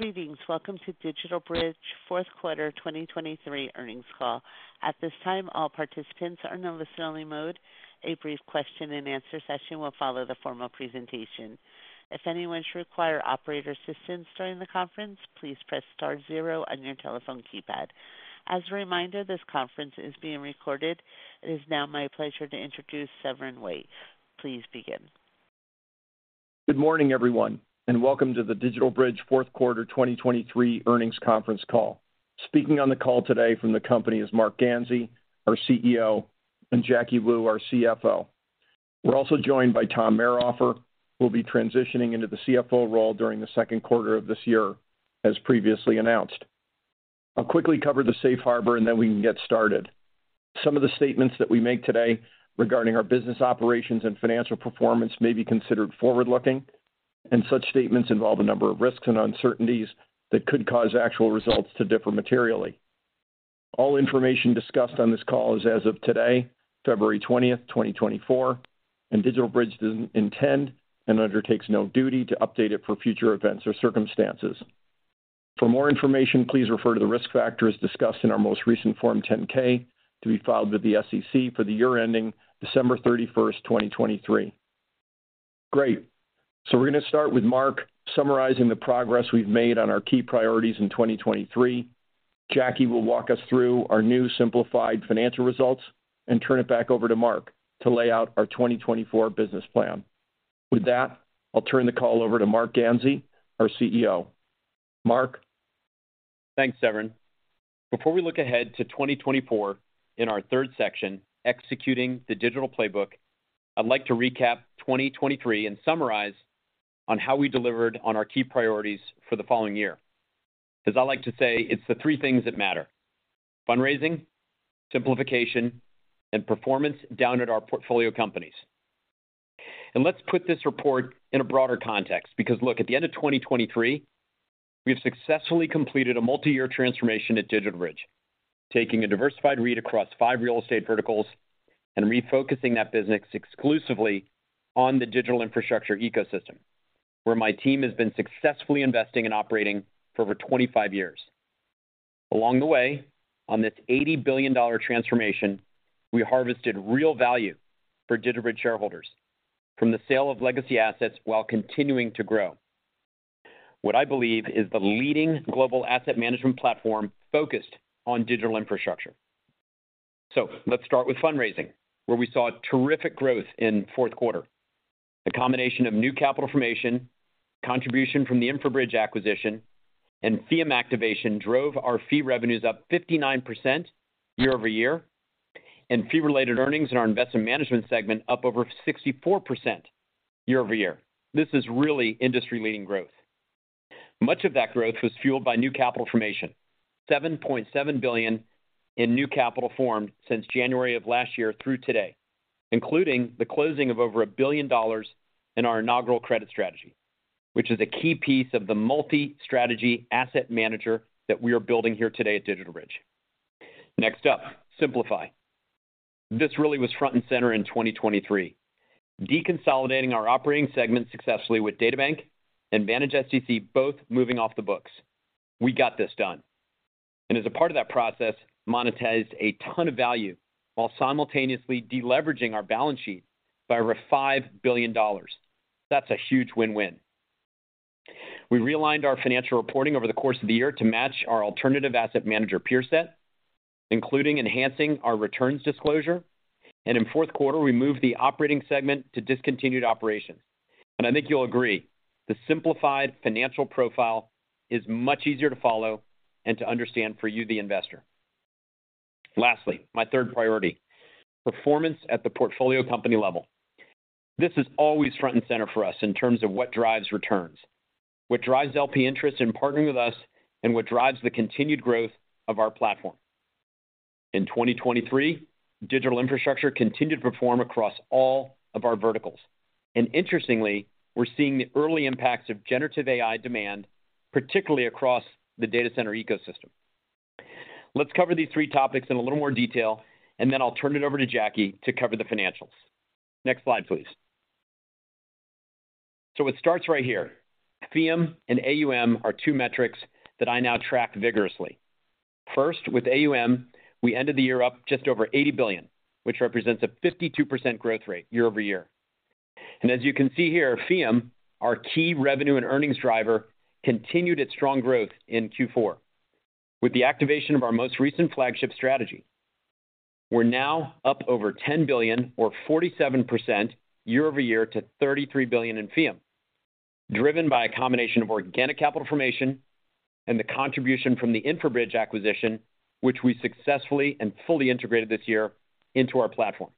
Greetings. Welcome to DigitalBridge fourth quarter 2023 earnings call. At this time, all participants are in a listen-only mode. A brief question-and-answer session will follow the formal presentation. If anyone should require operator assistance during the conference, please press star 0 on your telephone keypad. As a reminder, this conference is being recorded. It is now my pleasure to introduce Severin White. Please begin. Good morning, everyone, and welcome to the DigitalBridge fourth quarter 2023 earnings conference call. Speaking on the call today from the company is Marc Ganzi, our CEO, and Jacky Wu, our CFO. We're also joined by Tom Mayrhofer, who will be transitioning into the CFO role during the second quarter of this year, as previously announced. I'll quickly cover the safe harbor and then we can get started. Some of the statements that we make today regarding our business operations and financial performance may be considered forward-looking, and such statements involve a number of risks and uncertainties that could cause actual results to differ materially. All information discussed on this call is as of today, February 20th, 2024, and DigitalBridge doesn't intend and undertakes no duty to update it for future events or circumstances. For more information, please refer to the risk factors discussed in our most recent Form 10-K to be filed with the SEC for the year ending December 31st, 2023. Great. So we're going to start with Marc summarizing the progress we've made on our key priorities in 2023. Jacky will walk us through our new simplified financial results and turn it back over to Marc to lay out our 2024 business plan. With that, I'll turn the call over to Marc Ganzi, our CEO. Marc? Thanks, Severin. Before we look ahead to 2024 in our third section, Executing the Digital Playbook, I'd like to recap 2023 and summarize on how we delivered on our key priorities for the following year. As I like to say, it's the three things that matter: fundraising, simplification, and performance down at our portfolio companies. And let's put this report in a broader context because, look, at the end of 2023, we have successfully completed a multi-year transformation at DigitalBridge, taking a diversified read across five real estate verticals and refocusing that business exclusively on the digital infrastructure ecosystem, where my team has been successfully investing and operating for over 25 years. Along the way, on this $80 billion transformation, we harvested real value for DigitalBridge shareholders from the sale of legacy assets while continuing to grow what I believe is the leading global asset management platform focused on digital infrastructure. So let's start with fundraising, where we saw terrific growth in fourth quarter. A combination of new capital formation, contribution from the InfraBridge acquisition, and FEEUM activation drove our fee revenues up 59% year-over-year, and fee-related earnings in our investment management segment up over 64% year-over-year. This is really industry-leading growth. Much of that growth was fueled by new capital formation: $7.7 billion in new capital formed since January of last year through today, including the closing of over $1 billion in our inaugural credit strategy, which is a key piece of the multi-strategy asset manager that we are building here today at DigitalBridge. Next up, simplify. This really was front and center in 2023, deconsolidating our operating segment successfully with DataBank and Switch both moving off the books. We got this done. And as a part of that process, monetized a ton of value while simultaneously deleveraging our balance sheet by over $5 billion. That's a huge win-win. We realigned our financial reporting over the course of the year to match our alternative asset manager peer set, including enhancing our returns disclosure, and in fourth quarter, we moved the operating segment to discontinued operations. And I think you'll agree, the simplified financial profile is much easier to follow and to understand for you, the investor. Lastly, my third priority: performance at the portfolio company level. This is always front and center for us in terms of what drives returns, what drives LP interest in partnering with us, and what drives the continued growth of our platform. In 2023, digital infrastructure continued to perform across all of our verticals, and interestingly, we're seeing the early impacts of generative AI demand, particularly across the data center ecosystem. Let's cover these three topics in a little more detail, and then I'll turn it over to Jacky to cover the financials. Next slide, please. So it starts right here. FEM and AUM are two metrics that I now track vigorously. First, with AUM, we ended the year up just over $80 billion, which represents a 52% growth rate year-over-year. And as you can see here, FEM, our key revenue and earnings driver, continued its strong growth in Q4. With the activation of our most recent flagship strategy, we're now up over $10 billion, or 47% year-over-year, to $33 billion in FEM, driven by a combination of organic capital formation and the contribution from the InfraBridge acquisition, which we successfully and fully integrated this year into our platform.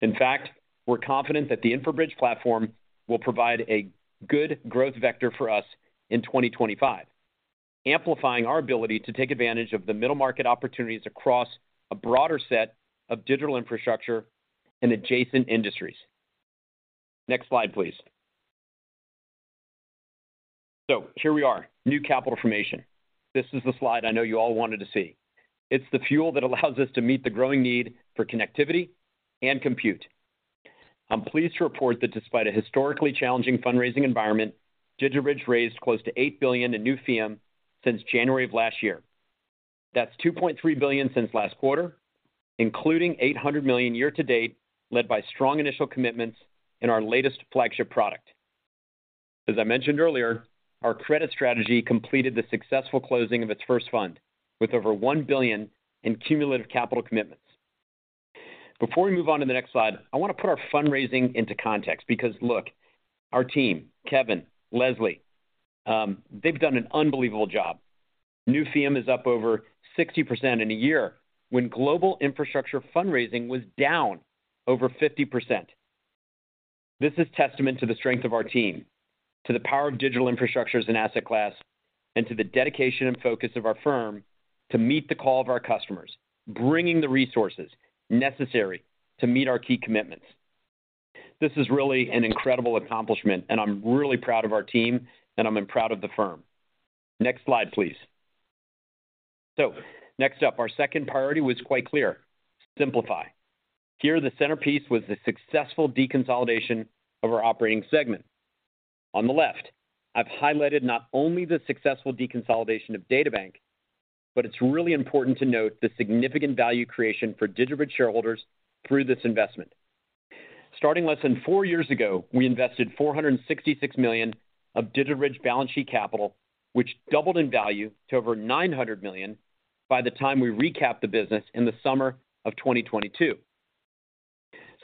In fact, we're confident that the InfraBridge platform will provide a good growth vector for us in 2025, amplifying our ability to take advantage of the middle market opportunities across a broader set of digital infrastructure and adjacent industries. Next slide, please. So here we are, new capital formation. This is the slide I know you all wanted to see. It's the fuel that allows us to meet the growing need for connectivity and compute. I'm pleased to report that despite a historically challenging fundraising environment, DigitalBridge raised close to $8 billion in new FEM since January of last year. That's $2.3 billion since last quarter, including $800 million year to date, led by strong initial commitments in our latest flagship product. As I mentioned earlier, our credit strategy completed the successful closing of its first fund with over $1 billion in cumulative capital commitments. Before we move on to the next slide, I want to put our fundraising into context because, look, our team, Kevin, Leslie, they've done an unbelievable job. New FEM is up over 60% in a year when global infrastructure fundraising was down over 50%. This is testament to the strength of our team, to the power of digital infrastructures and asset class, and to the dedication and focus of our firm to meet the call of our customers, bringing the resources necessary to meet our key commitments. This is really an incredible accomplishment, and I'm really proud of our team, and I'm proud of the firm. Next slide, please. So next up, our second priority was quite clear: simplify. Here, the centerpiece was the successful deconsolidation of our operating segment. On the left, I've highlighted not only the successful deconsolidation of DataBank, but it's really important to note the significant value creation for DigitalBridge shareholders through this investment. Starting less than four years ago, we invested $466 million of DigitalBridge balance sheet capital, which doubled in value to over $900 million by the time we recapped the business in the summer of 2022.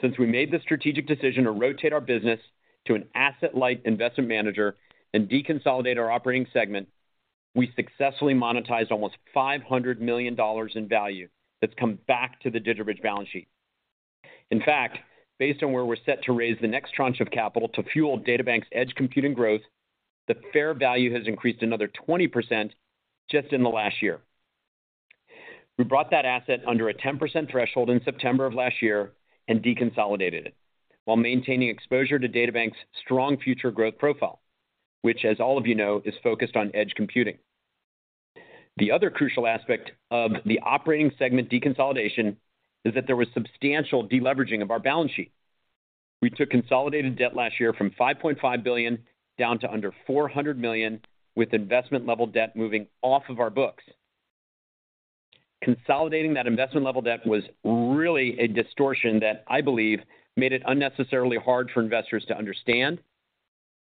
Since we made the strategic decision to rotate our business to an asset-light investment manager and deconsolidate our operating segment, we successfully monetized almost $500 million in value that's come back to the DigitalBridge balance sheet. In fact, based on where we're set to raise the next tranche of capital to fuel DataBank's edge computing growth, the fair value has increased another 20% just in the last year. We brought that asset under a 10% threshold in September of last year and deconsolidated it while maintaining exposure to DataBank's strong future growth profile, which, as all of you know, is focused on edge computing. The other crucial aspect of the operating segment deconsolidation is that there was substantial deleveraging of our balance sheet. We took consolidated debt last year from $5.5 billion down to under $400 million, with investment-level debt moving off of our books. Consolidating that investment-level debt was really a distortion that, I believe, made it unnecessarily hard for investors to understand,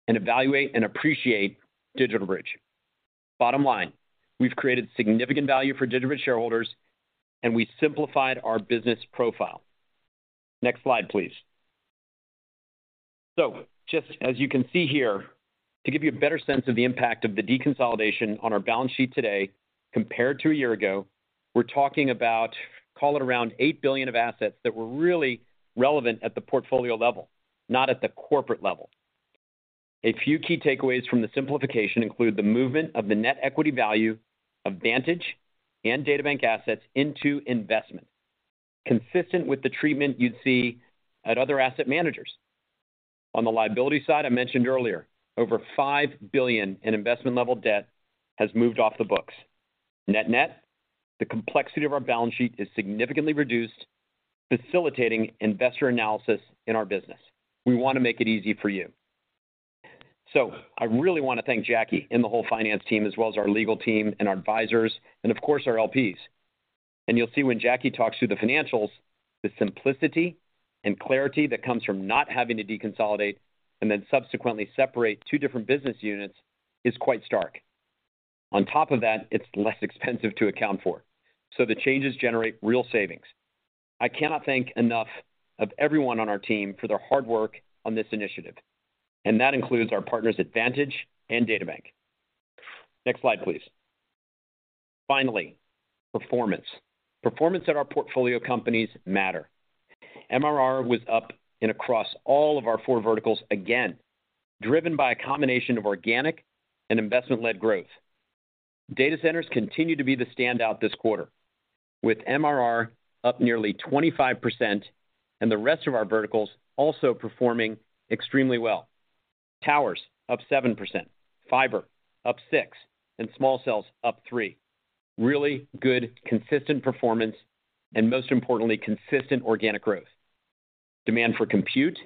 evaluate, and appreciate DigitalBridge. Bottom line, we've created significant value for DigitalBridge shareholders, and we simplified our business profile. Next slide, please. So just as you can see here, to give you a better sense of the impact of the deconsolidation on our balance sheet today compared to a year ago, we're talking about, call it around, $8 billion of assets that were really relevant at the portfolio level, not at the corporate level. A few key takeaways from the simplification include the movement of the net equity value of Vantage and DataBank assets into investment, consistent with the treatment you'd see at other asset managers. On the liability side, I mentioned earlier, over $5 billion in investment-level debt has moved off the books. Net-net, the complexity of our balance sheet is significantly reduced, facilitating investor analysis in our business. We want to make it easy for you. So I really want to thank Jacky and the whole finance team, as well as our legal team and our advisors and, of course, our LPs. And you'll see when Jacky talks through the financials, the simplicity and clarity that comes from not having to deconsolidate and then subsequently separate two different business units is quite stark. On top of that, it's less expensive to account for, so the changes generate real savings. I cannot thank enough of everyone on our team for their hard work on this initiative, and that includes our partners at Vantage and DataBank. Next slide, please. Finally, performance. Performance at our portfolio companies matter. MRR was up across all of our four verticals again, driven by a combination of organic and investment-led growth. Data centers continue to be the standout this quarter, with MRR up nearly 25% and the rest of our verticals also performing extremely well. Towers up 7%, fiber up 6%, and small cells up 3%. Really good, consistent performance, and most importantly, consistent organic growth. Demand for compute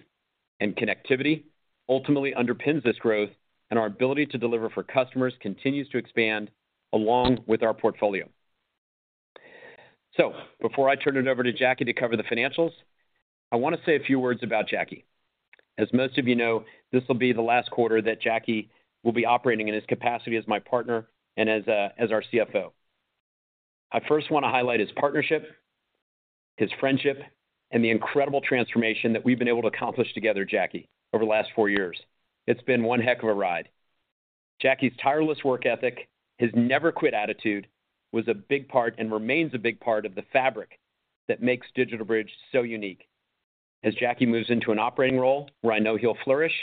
and connectivity ultimately underpins this growth, and our ability to deliver for customers continues to expand along with our portfolio. So before I turn it over to Jacky to cover the financials, I want to say a few words about Jacky. As most of you know, this will be the last quarter that Jacky will be operating in his capacity as my partner and as our CFO. I first want to highlight his partnership, his friendship, and the incredible transformation that we've been able to accomplish together, Jacky, over the last four years. It's been one heck of a ride. Jacky's tireless work ethic, his never-quit attitude, was a big part and remains a big part of the fabric that makes DigitalBridge so unique. As Jacky moves into an operating role where I know he'll flourish,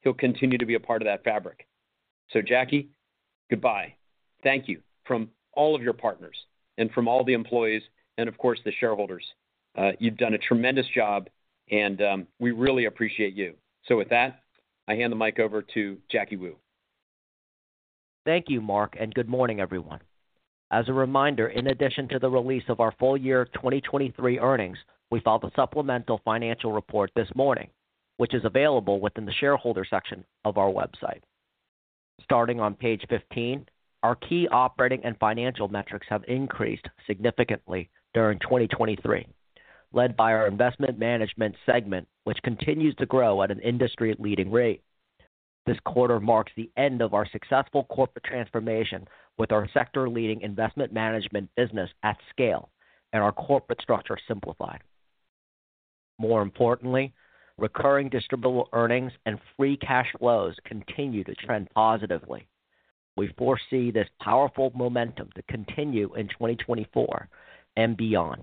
he'll continue to be a part of that fabric. So Jacky, goodbye. Thank you from all of your partners and from all the employees and, of course, the shareholders. You've done a tremendous job, and we really appreciate you. So with that, I hand the mic over to Jacky Wu. Thank you, Marc, and good morning, everyone. As a reminder, in addition to the release of our full-year 2023 earnings, we filed a supplemental financial report this morning, which is available within the shareholder section of our website. Starting on page 15, our key operating and financial metrics have increased significantly during 2023, led by our investment management segment, which continues to grow at an industry-leading rate. This quarter marks the end of our successful corporate transformation with our sector-leading investment management business at scale and our corporate structure simplified. More importantly, recurring distributable earnings and free cash flows continue to trend positively. We foresee this powerful momentum to continue in 2024 and beyond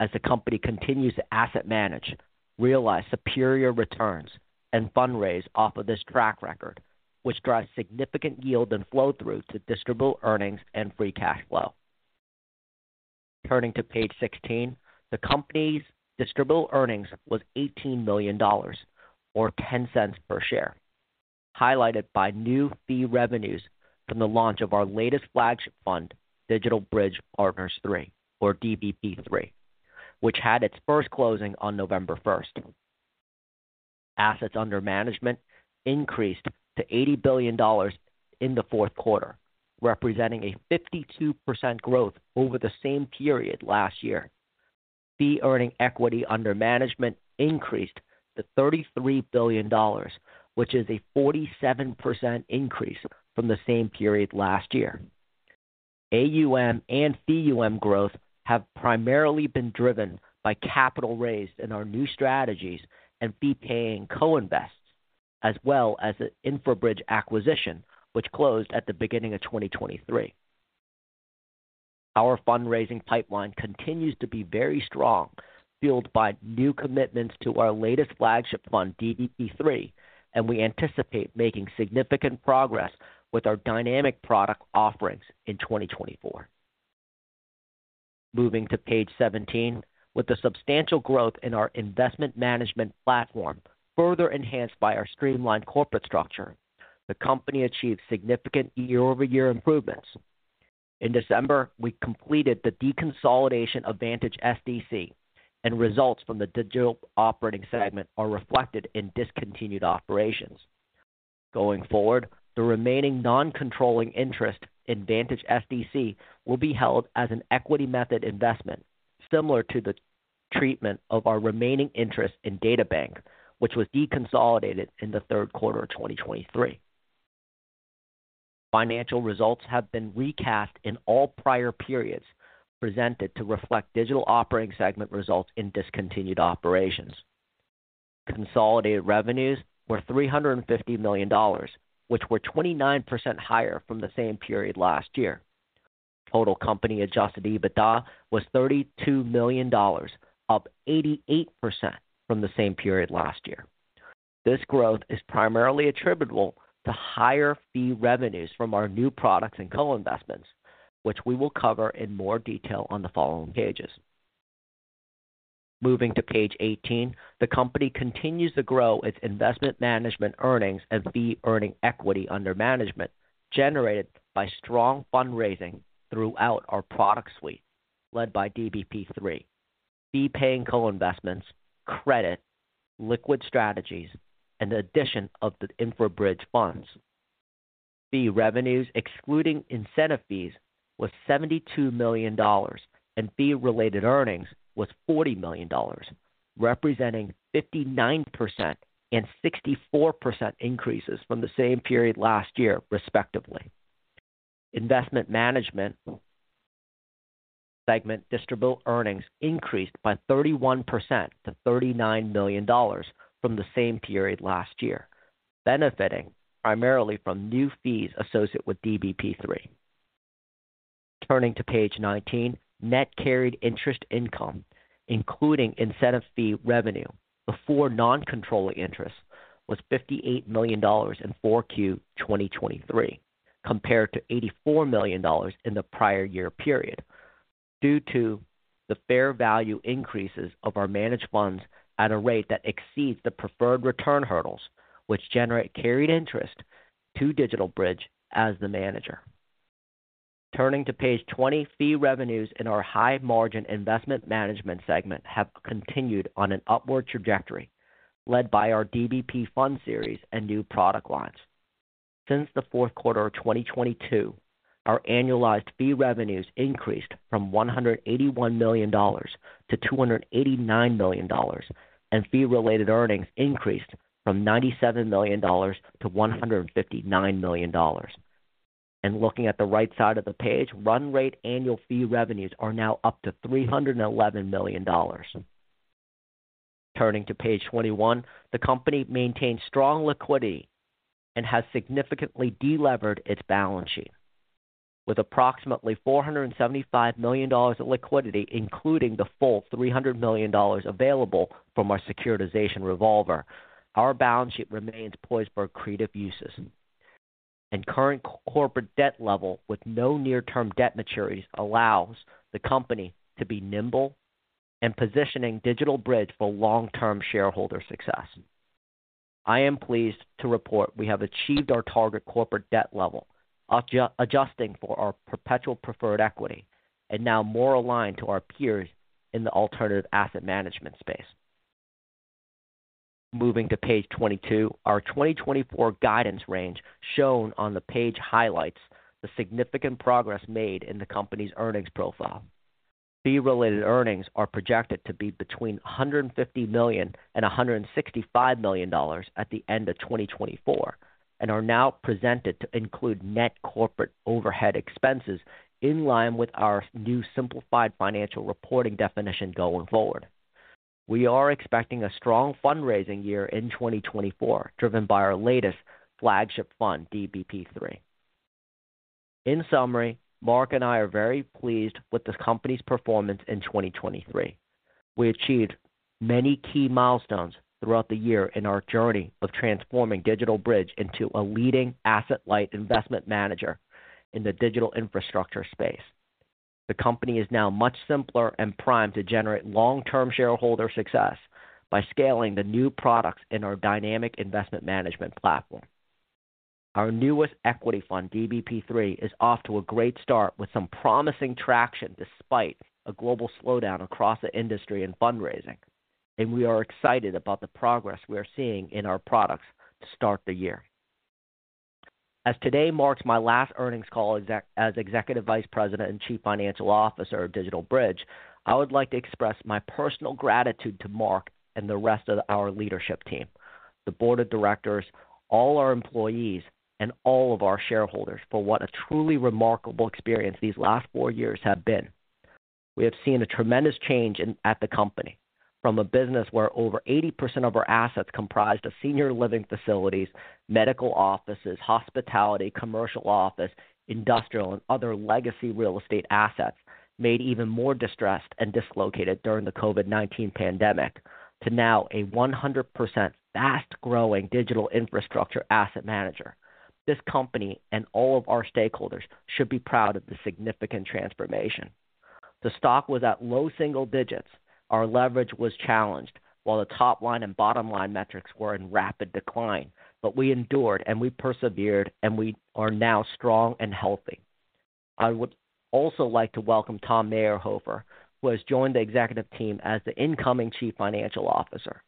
as the company continues to asset manage, realize superior returns, and fundraise off of this track record, which drives significant yield and flow-through to distributable earnings and free cash flow. Turning to page 16, the company's distributable earnings were $18 million or $0.10 per share, highlighted by new fee revenues from the launch of our latest flagship fund, DigitalBridge Partners III, or DBP III, which had its first closing on November 1st. Assets under management increased to $80 billion in the fourth quarter, representing a 52% growth over the same period last year. Fee-earning equity under management increased to $33 billion, which is a 47% increase from the same period last year. AUM and fee growth have primarily been driven by capital raised in our new strategies and fee-paying co-invests, as well as the InfraBridge acquisition, which closed at the beginning of 2023. Our fundraising pipeline continues to be very strong, fueled by new commitments to our latest flagship fund, DBP III, and we anticipate making significant progress with our dynamic product offerings in 2024. Moving to page 17, with the substantial growth in our investment management platform further enhanced by our streamlined corporate structure, the company achieved significant year-over-year improvements. In December, we completed the deconsolidation of Vantage SDC, and results from the digital operating segment are reflected in discontinued operations. Going forward, the remaining non-controlling interest in Vantage SDC will be held as an equity method investment, similar to the treatment of our remaining interest in DataBank, which was deconsolidated in the third quarter of 2023. Financial results have been recast in all prior periods presented to reflect digital operating segment results in discontinued operations. Consolidated revenues were $350 million, which were 29% higher from the same period last year. Total company-adjusted EBITDA was $32 million, up 88% from the same period last year. This growth is primarily attributable to higher fee revenues from our new products and co-investments, which we will cover in more detail on the following pages. Moving to page 18, the company continues to grow its investment management earnings and fee-earning equity under management generated by strong fundraising throughout our product suite, led by DBP 3, fee-paying co-investments, credit, liquid strategies, and the addition of the InfraBridge funds. Fee revenues, excluding incentive fees, were $72 million, and fee-related earnings were $40 million, representing 59% and 64% increases from the same period last year, respectively. Investment management segment distributable earnings increased by 31% to $39 million from the same period last year, benefiting primarily from new fees associated with DBP 3. Turning to page 19, net carried interest income, including incentive fee revenue before non-controlling interest, was $58 million in 4Q 2023, compared to $84 million in the prior year period, due to the fair value increases of our managed funds at a rate that exceeds the preferred return hurdles, which generate carried interest to DigitalBridge as the manager. Turning to page 20, fee revenues in our high-margin investment management segment have continued on an upward trajectory, led by our DBP fund series and new product lines. Since the fourth quarter of 2022, our annualized fee revenues increased from $181 million to $289 million, and fee-related earnings increased from $97 million to $159 million. Looking at the right side of the page, run-rate annual fee revenues are now up to $311 million. Turning to page 21, the company maintains strong liquidity and has significantly delevered its balance sheet. With approximately $475 million of liquidity, including the full $300 million available from our securitization revolver, our balance sheet remains poised for creative uses. Current corporate debt level, with no near-term debt maturities, allows the company to be nimble in positioning DigitalBridge for long-term shareholder success. I am pleased to report we have achieved our target corporate debt level, adjusting for our perpetual preferred equity and now more aligned to our peers in the alternative asset management space. Moving to page 22, our 2024 guidance range shown on the page highlights the significant progress made in the company's earnings profile. Fee-related earnings are projected to be between $150 million and $165 million at the end of 2024 and are now presented to include net corporate overhead expenses in line with our new simplified financial reporting definition going forward. We are expecting a strong fundraising year in 2024, driven by our latest flagship fund, DBP 3. In summary, Marc and I are very pleased with the company's performance in 2023. We achieved many key milestones throughout the year in our journey of transforming DigitalBridge into a leading asset-light investment manager in the digital infrastructure space. The company is now much simpler and primed to generate long-term shareholder success by scaling the new products in our dynamic investment management platform. Our newest equity fund, DBP 3, is off to a great start with some promising traction despite a global slowdown across the industry in fundraising, and we are excited about the progress we are seeing in our products to start the year. As today marks my last earnings call as Executive Vice President and Chief Financial Officer of DigitalBridge, I would like to express my personal gratitude to Marc and the rest of our leadership team, the board of directors, all our employees, and all of our shareholders for what a truly remarkable experience these last 4 years have been. We have seen a tremendous change at the company from a business where over 80% of our assets comprised of senior living facilities, medical offices, hospitality, commercial office, industrial, and other legacy real estate assets made even more distressed and dislocated during the COVID-19 pandemic to now a 100% fast-growing digital infrastructure asset manager. This company and all of our stakeholders should be proud of the significant transformation. The stock was at low single digits. Our leverage was challenged while the top line and bottom line metrics were in rapid decline, but we endured and we persevered and we are now strong and healthy. I would also like to welcome Tom Mayrhofer, who has joined the executive team as the incoming Chief Financial Officer.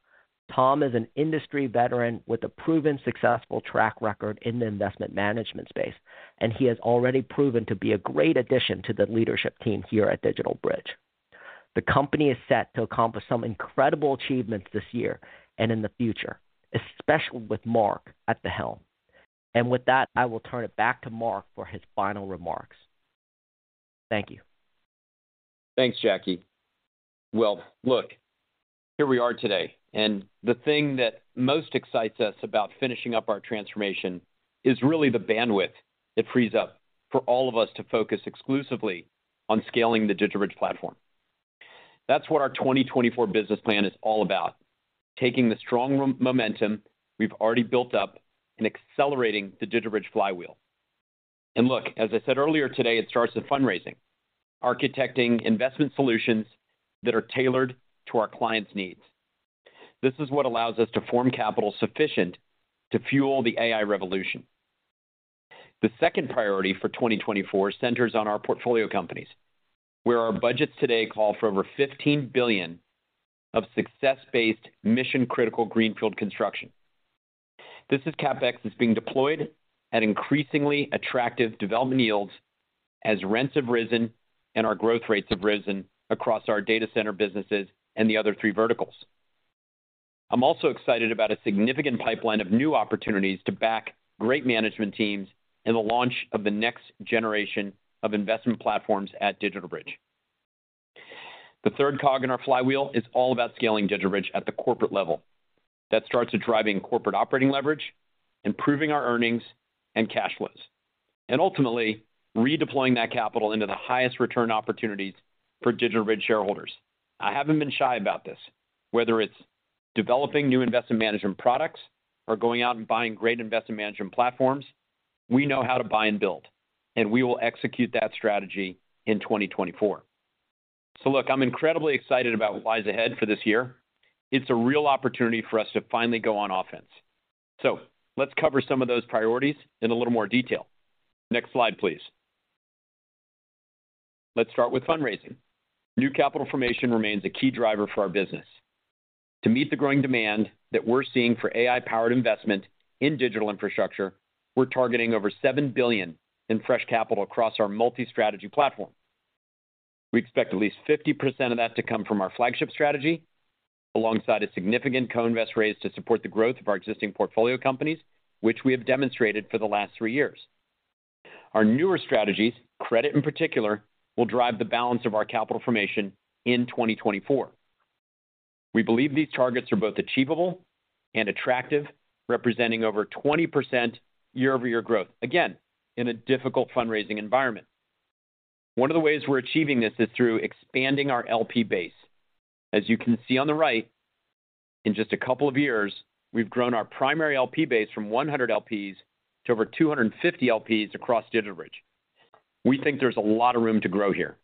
Tom is an industry veteran with a proven successful track record in the investment management space, and he has already proven to be a great addition to the leadership team here at DigitalBridge. The company is set to accomplish some incredible achievements this year and in the future, especially with Marc at the helm. And with that, I will turn it back to Marc for his final remarks. Thank you. Thanks, Jacky. Well, look, here we are today, and the thing that most excites us about finishing up our transformation is really the bandwidth it frees up for all of us to focus exclusively on scaling the DigitalBridge platform. That's what our 2024 business plan is all about: taking the strong momentum we've already built up and accelerating the DigitalBridge flywheel. And look, as I said earlier today, it starts with fundraising, architecting investment solutions that are tailored to our clients' needs. This is what allows us to form capital sufficient to fuel the AI revolution. The second priority for 2024 centers on our portfolio companies, where our budgets today call for over $15 billion of success-based, mission-critical greenfield construction. This is CapEx that's being deployed at increasingly attractive development yields as rents have risen and our growth rates have risen across our data center businesses and the other three verticals. I'm also excited about a significant pipeline of new opportunities to back great management teams and the launch of the next generation of investment platforms at DigitalBridge. The third cog in our flywheel is all about scaling DigitalBridge at the corporate level. That starts with driving corporate operating leverage, improving our earnings and cash flows, and ultimately redeploying that capital into the highest return opportunities for DigitalBridge shareholders. I haven't been shy about this. Whether it's developing new investment management products or going out and buying great investment management platforms, we know how to buy and build, and we will execute that strategy in 2024. So look, I'm incredibly excited about what lies ahead for this year. It's a real opportunity for us to finally go on offense. So let's cover some of those priorities in a little more detail. Next slide, please. Let's start with fundraising. New capital formation remains a key driver for our business. To meet the growing demand that we're seeing for AI-powered investment in digital infrastructure, we're targeting over $7 billion in fresh capital across our multi-strategy platform. We expect at least 50% of that to come from our flagship strategy, alongside a significant co-invest raise to support the growth of our existing portfolio companies, which we have demonstrated for the last three years. Our newer strategies, credit in particular, will drive the balance of our capital formation in 2024. We believe these targets are both achievable and attractive, representing over 20% year-over-year growth, again, in a difficult fundraising environment. One of the ways we're achieving this is through expanding our LP base. As you can see on the right, in just a couple of years, we've grown our primary LP base from 100 LPs to over 250 LPs across DigitalBridge. We think there's a lot of room to grow here,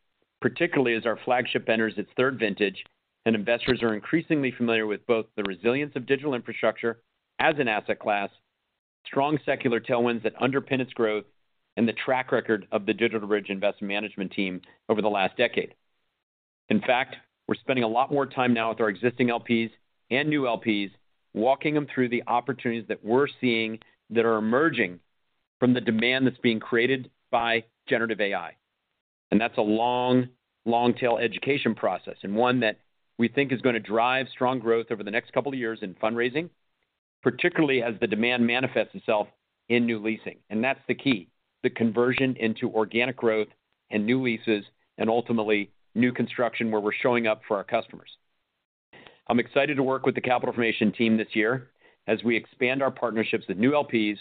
particularly as our flagship enters its third vintage and investors are increasingly familiar with both the resilience of digital infrastructure as an asset class, strong secular tailwinds that underpin its growth, and the track record of the DigitalBridge investment management team over the last decade. In fact, we're spending a lot more time now with our existing LPs and new LPs, walking them through the opportunities that we're seeing that are emerging from the demand that's being created by generative AI. That's a long, long-tail education process and one that we think is going to drive strong growth over the next couple of years in fundraising, particularly as the demand manifests itself in new leasing. And that's the key: the conversion into organic growth and new leases and ultimately new construction where we're showing up for our customers. I'm excited to work with the capital formation team this year as we expand our partnerships with new LPs,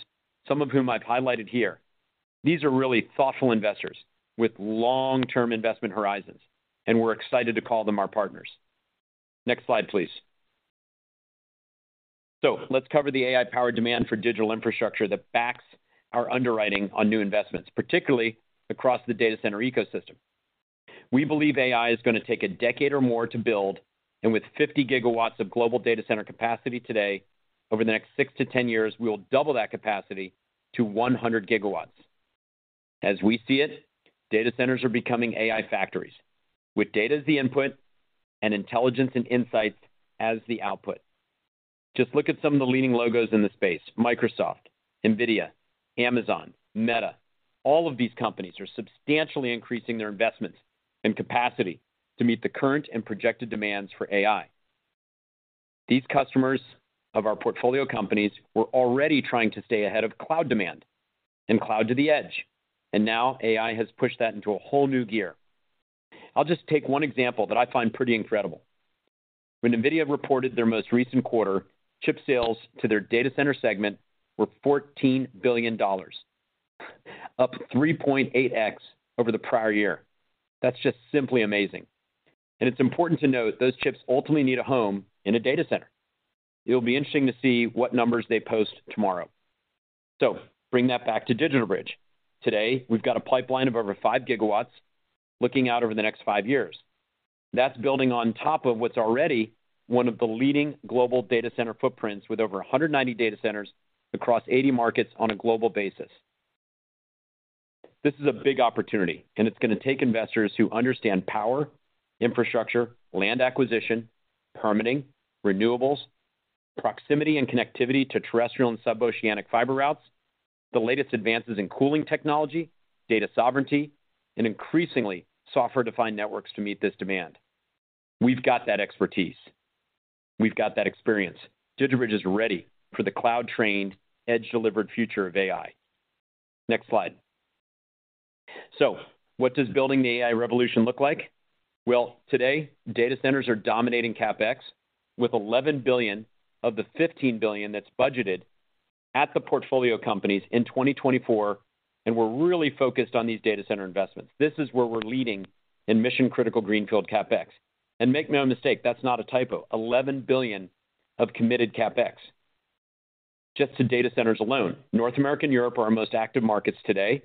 some of whom I've highlighted here. These are really thoughtful investors with long-term investment horizons, and we're excited to call them our partners. Next slide, please. So let's cover the AI-powered demand for digital infrastructure that backs our underwriting on new investments, particularly across the data center ecosystem. We believe AI is going to take a decade or more to build, and with 50 GW of global data center capacity today, over the next 6-10 years, we will double that capacity to 100 GW. As we see it, data centers are becoming AI factories, with data as the input and intelligence and insights as the output. Just look at some of the leading logos in the space: Microsoft, Nvidia, Amazon, Meta. All of these companies are substantially increasing their investments and capacity to meet the current and projected demands for AI. These customers of our portfolio companies were already trying to stay ahead of cloud demand and cloud to the edge, and now AI has pushed that into a whole new gear. I'll just take one example that I find pretty incredible. When Nvidia reported their most recent quarter, chip sales to their data center segment were $14 billion, up 3.8x over the prior year. That's just simply amazing. It's important to note those chips ultimately need a home in a data center. It'll be interesting to see what numbers they post tomorrow. Bring that back to DigitalBridge. Today, we've got a pipeline of over five gigawatts looking out over the next five years. That's building on top of what's already one of the leading global data center footprints with over 190 data centers across 80 markets on a global basis. This is a big opportunity, and it's going to take investors who understand power, infrastructure, land acquisition, permitting, renewables, proximity and connectivity to terrestrial and sub-oceanic fiber routes, the latest advances in cooling technology, data sovereignty, and increasingly software-defined networks to meet this demand. We've got that expertise. We've got that experience. DigitalBridge is ready for the cloud-trained, edge-delivered future of AI. Next slide. So what does building the AI revolution look like? Well, today, data centers are dominating CapEx with $11 billion of the $15 billion that's budgeted at the portfolio companies in 2024, and we're really focused on these data center investments. This is where we're leading in mission-critical greenfield CapEx. Make no mistake, that's not a typo: $11 billion of committed CapEx just to data centers alone. North America and Europe are our most active markets today,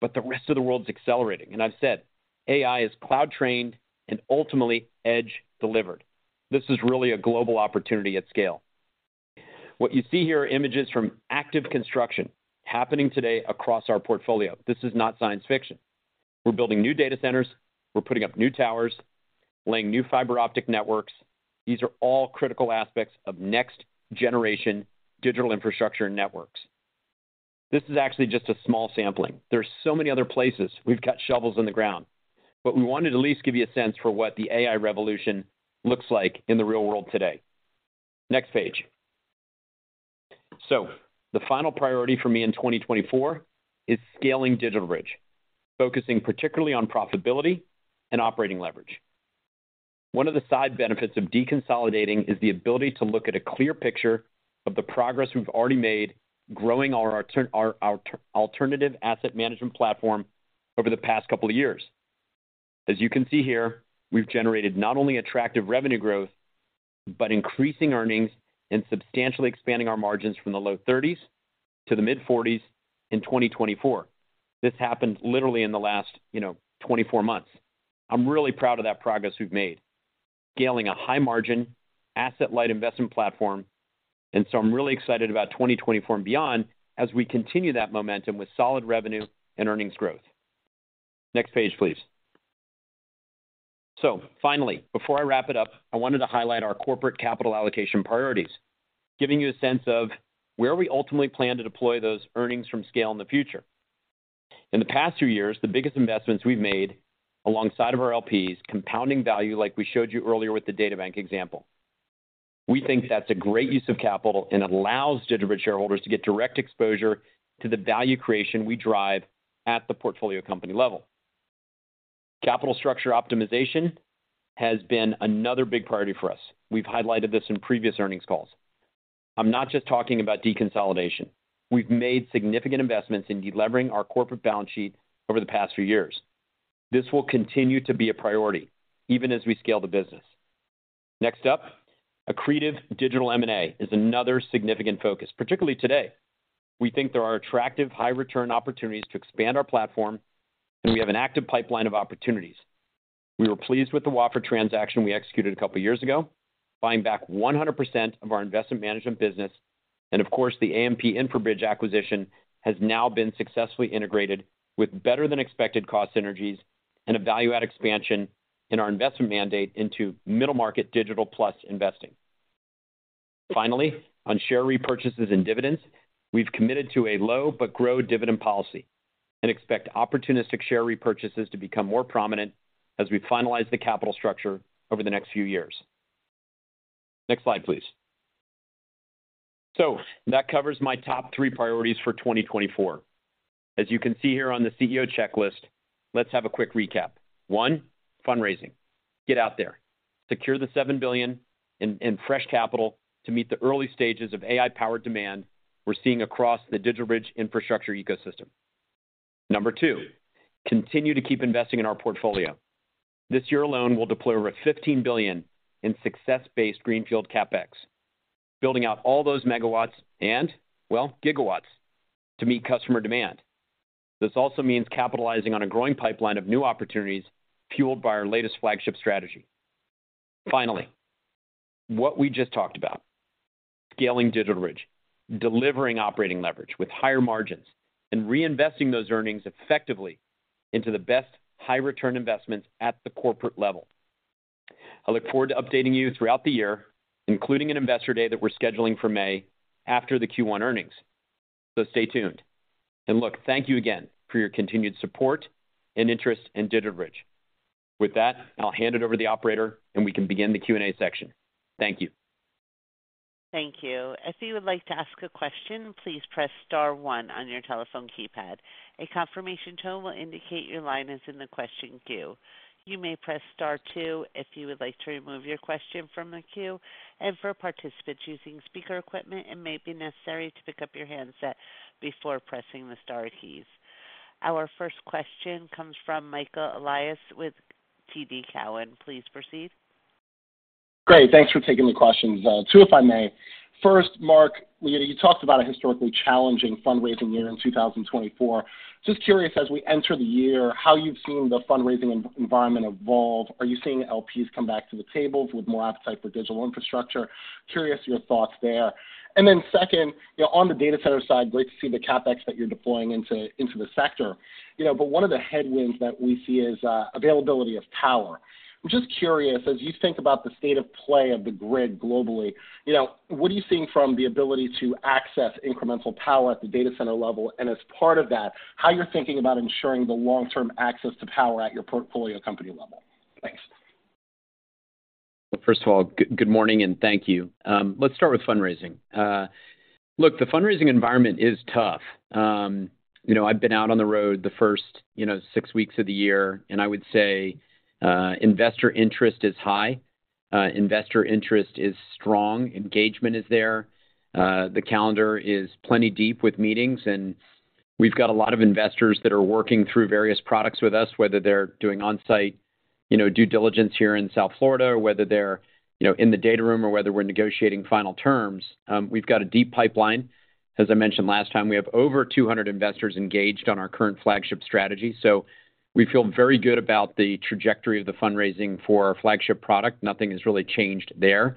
but the rest of the world's accelerating. I've said, "AI is cloud-trained and ultimately edge-delivered." This is really a global opportunity at scale. What you see here are images from active construction happening today across our portfolio. This is not science fiction. We're building new data centers. We're putting up new towers, laying new fiber optic networks. These are all critical aspects of next-generation digital infrastructure and networks. This is actually just a small sampling. There are so many other places. We've cut shovels in the ground. But we wanted to at least give you a sense for what the AI revolution looks like in the real world today. Next page. So the final priority for me in 2024 is scaling DigitalBridge, focusing particularly on profitability and operating leverage. One of the side benefits of deconsolidating is the ability to look at a clear picture of the progress we've already made growing our alternative asset management platform over the past couple of years. As you can see here, we've generated not only attractive revenue growth but increasing earnings and substantially expanding our margins from the low 30s% to the mid 40s% in 2024. This happened literally in the last 24 months. I'm really proud of that progress we've made: scaling a high-margin, asset-light investment platform. And so I'm really excited about 2024 and beyond as we continue that momentum with solid revenue and earnings growth. Next page, please. So finally, before I wrap it up, I wanted to highlight our corporate capital allocation priorities, giving you a sense of where we ultimately plan to deploy those earnings from scale in the future. In the past few years, the biggest investments we've made alongside of our LPs are compounding value, like we showed you earlier with the DataBank example. We think that's a great use of capital and allows DigitalBridge shareholders to get direct exposure to the value creation we drive at the portfolio company level. Capital structure optimization has been another big priority for us. We've highlighted this in previous earnings calls. I'm not just talking about deconsolidation. We've made significant investments in delivering our corporate balance sheet over the past few years. This will continue to be a priority even as we scale the business. Next up, a creative digital M&A is another significant focus, particularly today. We think there are attractive, high-return opportunities to expand our platform, and we have an active pipeline of opportunities. We were pleased with the Wafra transaction we executed a couple of years ago, buying back 100% of our investment management business. And of course, the AMP InfraBridge acquisition has now been successfully integrated with better-than-expected cost synergies and a value-add expansion in our investment mandate into middle-market digital-plus investing. Finally, on share repurchases and dividends, we've committed to a low but grow dividend policy and expect opportunistic share repurchases to become more prominent as we finalize the capital structure over the next few years. Next slide, please. So that covers my top three priorities for 2024. As you can see here on the CEO checklist, let's have a quick recap. One, fundraising. Get out there. Secure the $7 billion in fresh capital to meet the early stages of AI-powered demand we're seeing across the DigitalBridge infrastructure ecosystem. Number two, continue to keep investing in our portfolio. This year alone, we'll deploy over $15 billion in success-based greenfield CapEx, building out all those megawatts and, well, gigawatts to meet customer demand. This also means capitalizing on a growing pipeline of new opportunities fueled by our latest flagship strategy. Finally, what we just talked about: scaling DigitalBridge, delivering operating leverage with higher margins, and reinvesting those earnings effectively into the best high-return investments at the corporate level. I look forward to updating you throughout the year, including an investor day that we're scheduling for May after the Q1 earnings. So stay tuned. And look, thank you again for your continued support and interest in DigitalBridge. With that, I'll hand it over to the operator, and we can begin the Q&A section. Thank you. Thank you. If you would like to ask a question, please press star one on your telephone keypad. A confirmation tone will indicate your line is in the question queue. You may press star two if you would like to remove your question from the queue. And for participants using speaker equipment, it may be necessary to pick up your handset before pressing the star keys. Our first question comes from Michael Elias with TD Cowen. Please proceed. Great. Thanks for taking the questions. Two, if I may. First, Marc, you talked about a historically challenging fundraising year in 2024. Just curious, as we enter the year, how you've seen the fundraising environment evolve. Are you seeing LPs come back to the tables with more appetite for digital infrastructure? Curious your thoughts there. And then second, on the data center side, great to see the CapEx that you're deploying into the sector. But one of the headwinds that we see is availability of power. I'm just curious, as you think about the state of play of the grid globally, what are you seeing from the ability to access incremental power at the data center level? And as part of that, how you're thinking about ensuring the long-term access to power at your portfolio company level. Thanks. Well, first of all, good morning and thank you. Let's start with fundraising. Look, the fundraising environment is tough. I've been out on the road the first six weeks of the year, and I would say investor interest is high. Investor interest is strong. Engagement is there. The calendar is plenty deep with meetings, and we've got a lot of investors that are working through various products with us, whether they're doing on-site due diligence here in South Florida, whether they're in the data room, or whether we're negotiating final terms. We've got a deep pipeline. As I mentioned last time, we have over 200 investors engaged on our current flagship strategy. So we feel very good about the trajectory of the fundraising for our flagship product. Nothing has really changed there.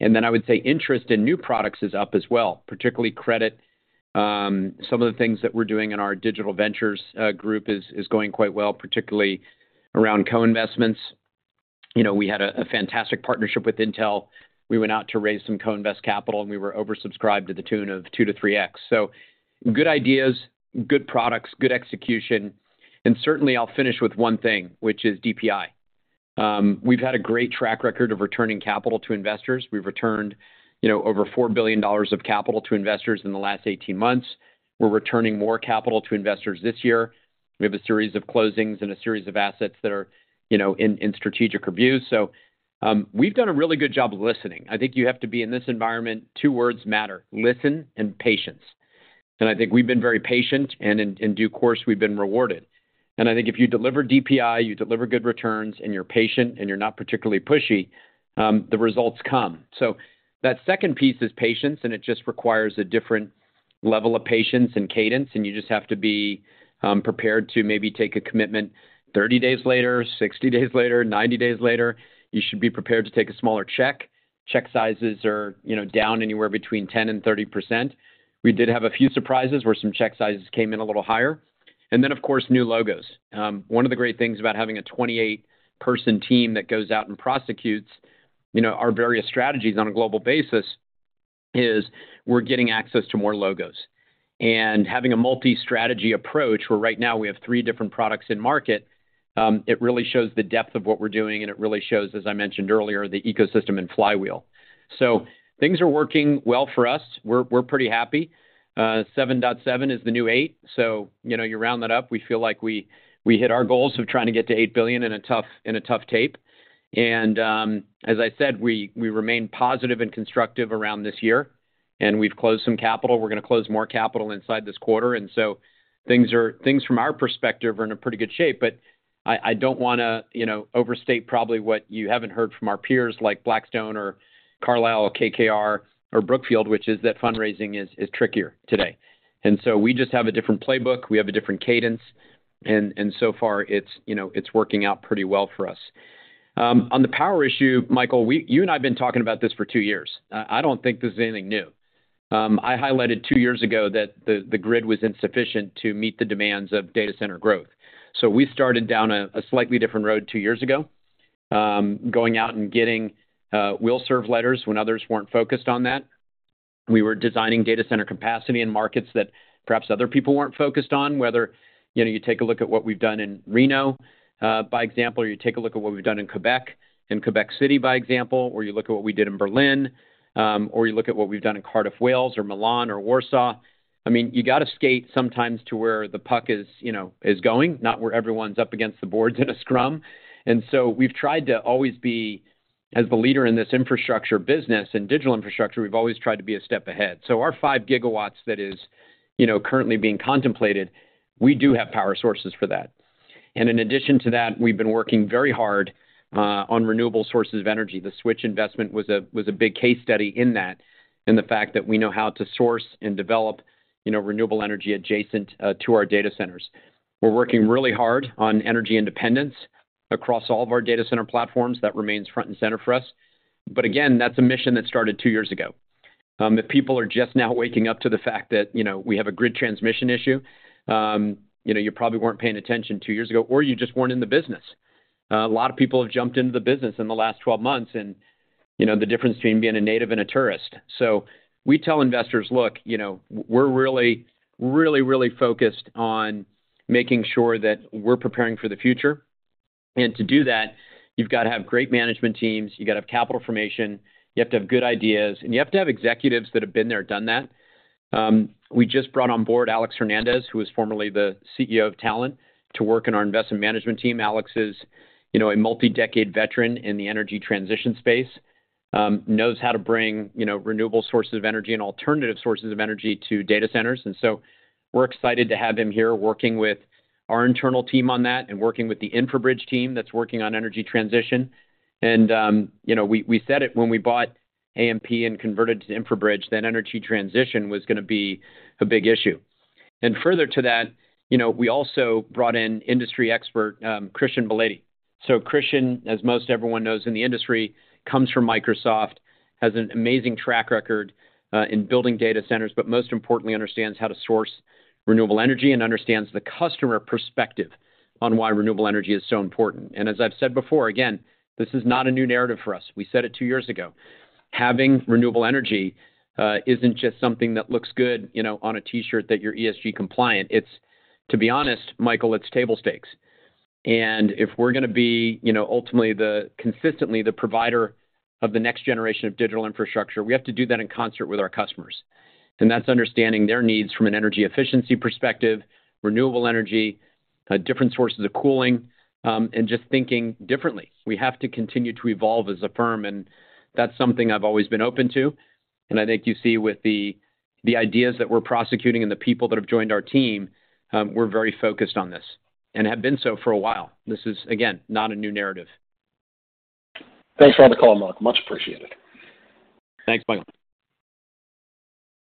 And then I would say interest in new products is up as well, particularly credit. Some of the things that we're doing in our Digital Ventures Group is going quite well, particularly around co-investments. We had a fantastic partnership with Intel. We went out to raise some co-invest capital, and we were oversubscribed to the tune of 2-3X. So good ideas, good products, good execution. And certainly, I'll finish with one thing, which is DPI. We've had a great track record of returning capital to investors. We've returned over $4 billion of capital to investors in the last 18 months. We're returning more capital to investors this year. We have a series of closings and a series of assets that are in strategic review. So we've done a really good job listening. I think you have to be in this environment, two words matter: listen and patience. And I think we've been very patient, and in due course, we've been rewarded. I think if you deliver DPI, you deliver good returns, and you're patient and you're not particularly pushy, the results come. So that second piece is patience, and it just requires a different level of patience and cadence. You just have to be prepared to maybe take a commitment 30 days later, 60 days later, 90 days later. You should be prepared to take a smaller check. Check sizes are down anywhere between 10%-30%. We did have a few surprises where some check sizes came in a little higher. Then, of course, new logos. One of the great things about having a 28-person team that goes out and prosecutes our various strategies on a global basis is we're getting access to more logos. Having a multi-strategy approach, where right now we have three different products in market, it really shows the depth of what we're doing, and it really shows, as I mentioned earlier, the ecosystem and flywheel. So things are working well for us. We're pretty happy. 7.7 is the new 8. So you round that up. We feel like we hit our goals of trying to get to $8 billion in a tough tape. And as I said, we remain positive and constructive around this year, and we've closed some capital. We're going to close more capital inside this quarter. And so things from our perspective are in a pretty good shape. But I don't want to overstate probably what you haven't heard from our peers like Blackstone or Carlyle or KKR or Brookfield, which is that fundraising is trickier today. And so we just have a different playbook. We have a different cadence. So far, it's working out pretty well for us. On the power issue, Michael, you and I have been talking about this for two years. I don't think this is anything new. I highlighted two years ago that the grid was insufficient to meet the demands of data center growth. We started down a slightly different road two years ago, going out and getting will serve letters when others weren't focused on that. We were designing data center capacity in markets that perhaps other people weren't focused on, whether you take a look at what we've done in Reno, by example, or you take a look at what we've done in Quebec and Quebec City, by example, or you look at what we did in Berlin, or you look at what we've done in Cardiff, Wales, or Milan or Warsaw. I mean, you got to skate sometimes to where the puck is going, not where everyone's up against the boards in a scrum. And so we've tried to always be, as the leader in this infrastructure business and digital infrastructure, we've always tried to be a step ahead. So our 5 GW that is currently being contemplated, we do have power sources for that. And in addition to that, we've been working very hard on renewable sources of energy. The Switch investment was a big case study in that, in the fact that we know how to source and develop renewable energy adjacent to our data centers. We're working really hard on energy independence across all of our data center platforms. That remains front and center for us. But again, that's a mission that started two years ago. If people are just now waking up to the fact that we have a grid transmission issue, you probably weren't paying attention two years ago, or you just weren't in the business. A lot of people have jumped into the business in the last 12 months, and the difference between being a native and a tourist. So we tell investors, "Look, we're really, really, really focused on making sure that we're preparing for the future." And to do that, you've got to have great management teams. You got to have capital formation. You have to have good ideas. And you have to have executives that have been there, done that. We just brought on board Alex Hernandez, who was formerly the CEO of Talen, to work in our investment management team. Alex is a multi-decade veteran in the energy transition space, knows how to bring renewable sources of energy and alternative sources of energy to data centers. And so we're excited to have him here working with our internal team on that and working with the InfraBridge team that's working on energy transition. And we said it when we bought AMP and converted to InfraBridge, that energy transition was going to be a big issue. And further to that, we also brought in industry expert Christian Belady. So Christian, as most everyone knows in the industry, comes from Microsoft, has an amazing track record in building data centers, but most importantly, understands how to source renewable energy and understands the customer perspective on why renewable energy is so important. And as I've said before, again, this is not a new narrative for us. We said it two years ago. Having renewable energy isn't just something that looks good on a T-shirt that you're ESG compliant. To be honest, Michael, it's table stakes. If we're going to be ultimately consistently the provider of the next generation of digital infrastructure, we have to do that in concert with our customers. That's understanding their needs from an energy efficiency perspective, renewable energy, different sources of cooling, and just thinking differently. We have to continue to evolve as a firm, and that's something I've always been open to. I think you see with the ideas that we're prosecuting and the people that have joined our team, we're very focused on this and have been so for a while. This is, again, not a new narrative. Thanks for having the call, Marc. Much appreciated. Thanks, Michael.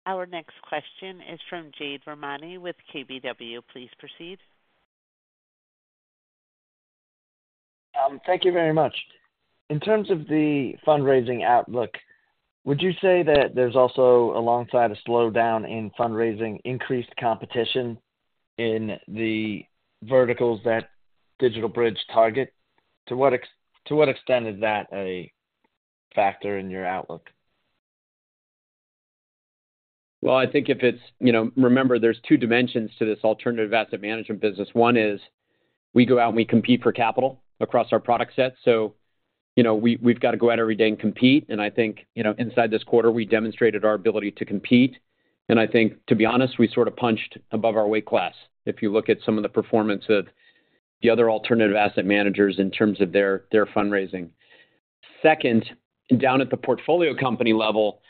Our next question is from Jade Rahmani with KBW. Please proceed. Thank you very much. In terms of the fundraising outlook, would you say that there's also, alongside a slowdown in fundraising, increased competition in the verticals that DigitalBridge target? To what extent is that a factor in your outlook? Well, I think if you remember, there's two dimensions to this alternative asset management business. One is we go out and we compete for capital across our product set. So we've got to go out every day and compete. And I think inside this quarter, we demonstrated our ability to compete. And I think, to be honest, we sort of punched above our weight class if you look at some of the performance of the other alternative asset managers in terms of their fundraising. Second, down at the portfolio company level,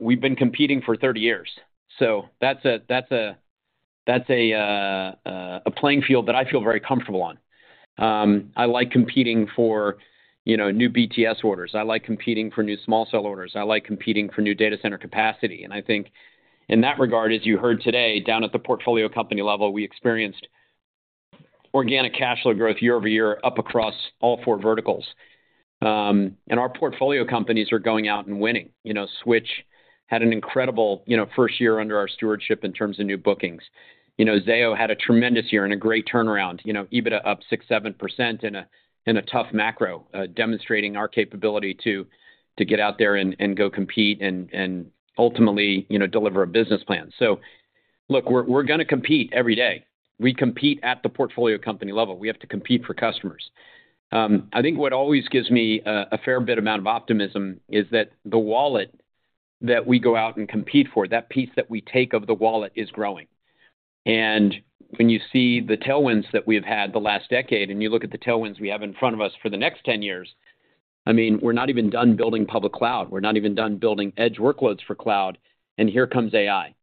we've been competing for 30 years. So that's a playing field that I feel very comfortable on. I like competing for new BTS orders. I like competing for new small cell orders. I like competing for new data center capacity. And I think in that regard, as you heard today, down at the portfolio company level, we experienced organic cash flow growth year-over-year up across all four verticals. And our portfolio companies are going out and winning. Switch had an incredible first year under our stewardship in terms of new bookings. Zayo had a tremendous year and a great turnaround, EBITDA up 6%-7% in a tough macro, demonstrating our capability to get out there and go compete and ultimately deliver a business plan. So look, we're going to compete every day. We compete at the portfolio company level. We have to compete for customers. I think what always gives me a fair bit amount of optimism is that the wallet that we go out and compete for, that piece that we take of the wallet is growing. And when you see the tailwinds that we have had the last decade and you look at the tailwinds we have in front of us for the next 10 years, I mean, we're not even done building public cloud. We're not even done building edge workloads for cloud. And here comes AI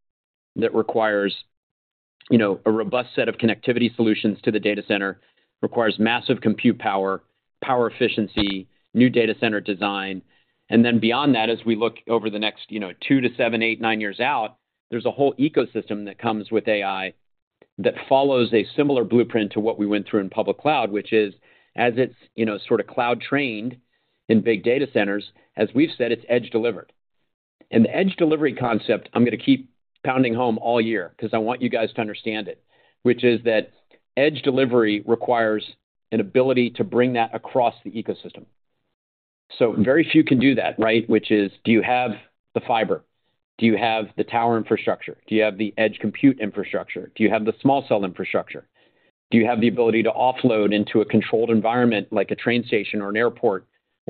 that requires a robust set of connectivity solutions to the data center, requires massive compute power, power efficiency, new data center design. And then beyond that, as we look over the next 2 to 7, 8, 9 years out, there's a whole ecosystem that comes with AI that follows a similar blueprint to what we went through in public cloud, which is, as it's sort of cloud-trained in big data centers, as we've said, it's edge delivered. The edge delivery concept, I'm going to keep pounding home all year because I want you guys to understand it, which is that edge delivery requires an ability to bring that across the ecosystem. Very few can do that, right, which is, do you have the fiber? Do you have the tower infrastructure? Do you have the edge compute infrastructure? Do you have the small cell infrastructure? Do you have the ability to offload into a controlled environment like a train station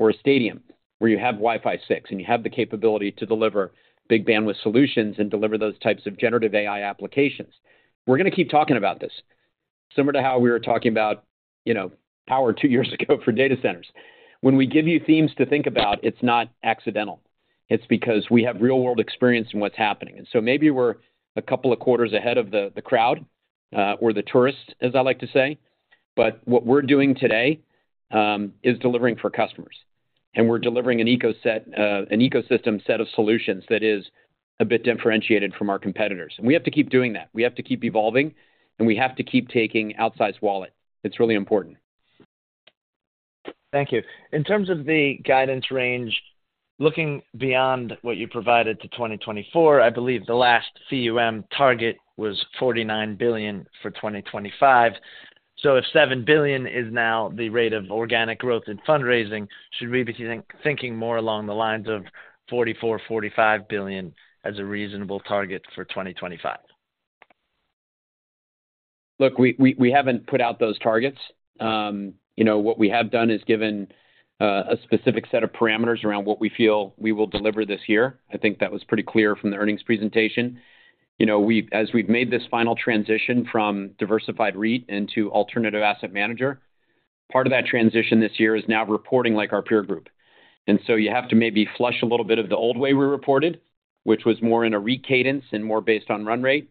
or an airport or a stadium where you have Wi-Fi 6 and you have the capability to deliver big bandwidth solutions and deliver those types of Generative AI applications? We're going to keep talking about this, similar to how we were talking about power 2 years ago for data centers. When we give you themes to think about, it's not accidental. It's because we have real-world experience in what's happening. So maybe we're a couple of quarters ahead of the crowd or the tourist, as I like to say. What we're doing today is delivering for customers. We're delivering an ecosystem set of solutions that is a bit differentiated from our competitors. We have to keep doing that. We have to keep evolving, and we have to keep taking outsized wallet. It's really important. Thank you. In terms of the guidance range, looking beyond what you provided to 2024, I believe the last AUM target was $49 billion for 2025. So if $7 billion is now the rate of organic growth in fundraising, should we be thinking more along the lines of $44 billion-$45 billion as a reasonable target for 2025? Look, we haven't put out those targets. What we have done is given a specific set of parameters around what we feel we will deliver this year. I think that was pretty clear from the earnings presentation. As we've made this final transition from diversified REIT into alternative asset manager, part of that transition this year is now reporting like our peer group. And so you have to maybe flush a little bit of the old way we reported, which was more in a REIT cadence and more based on run rate,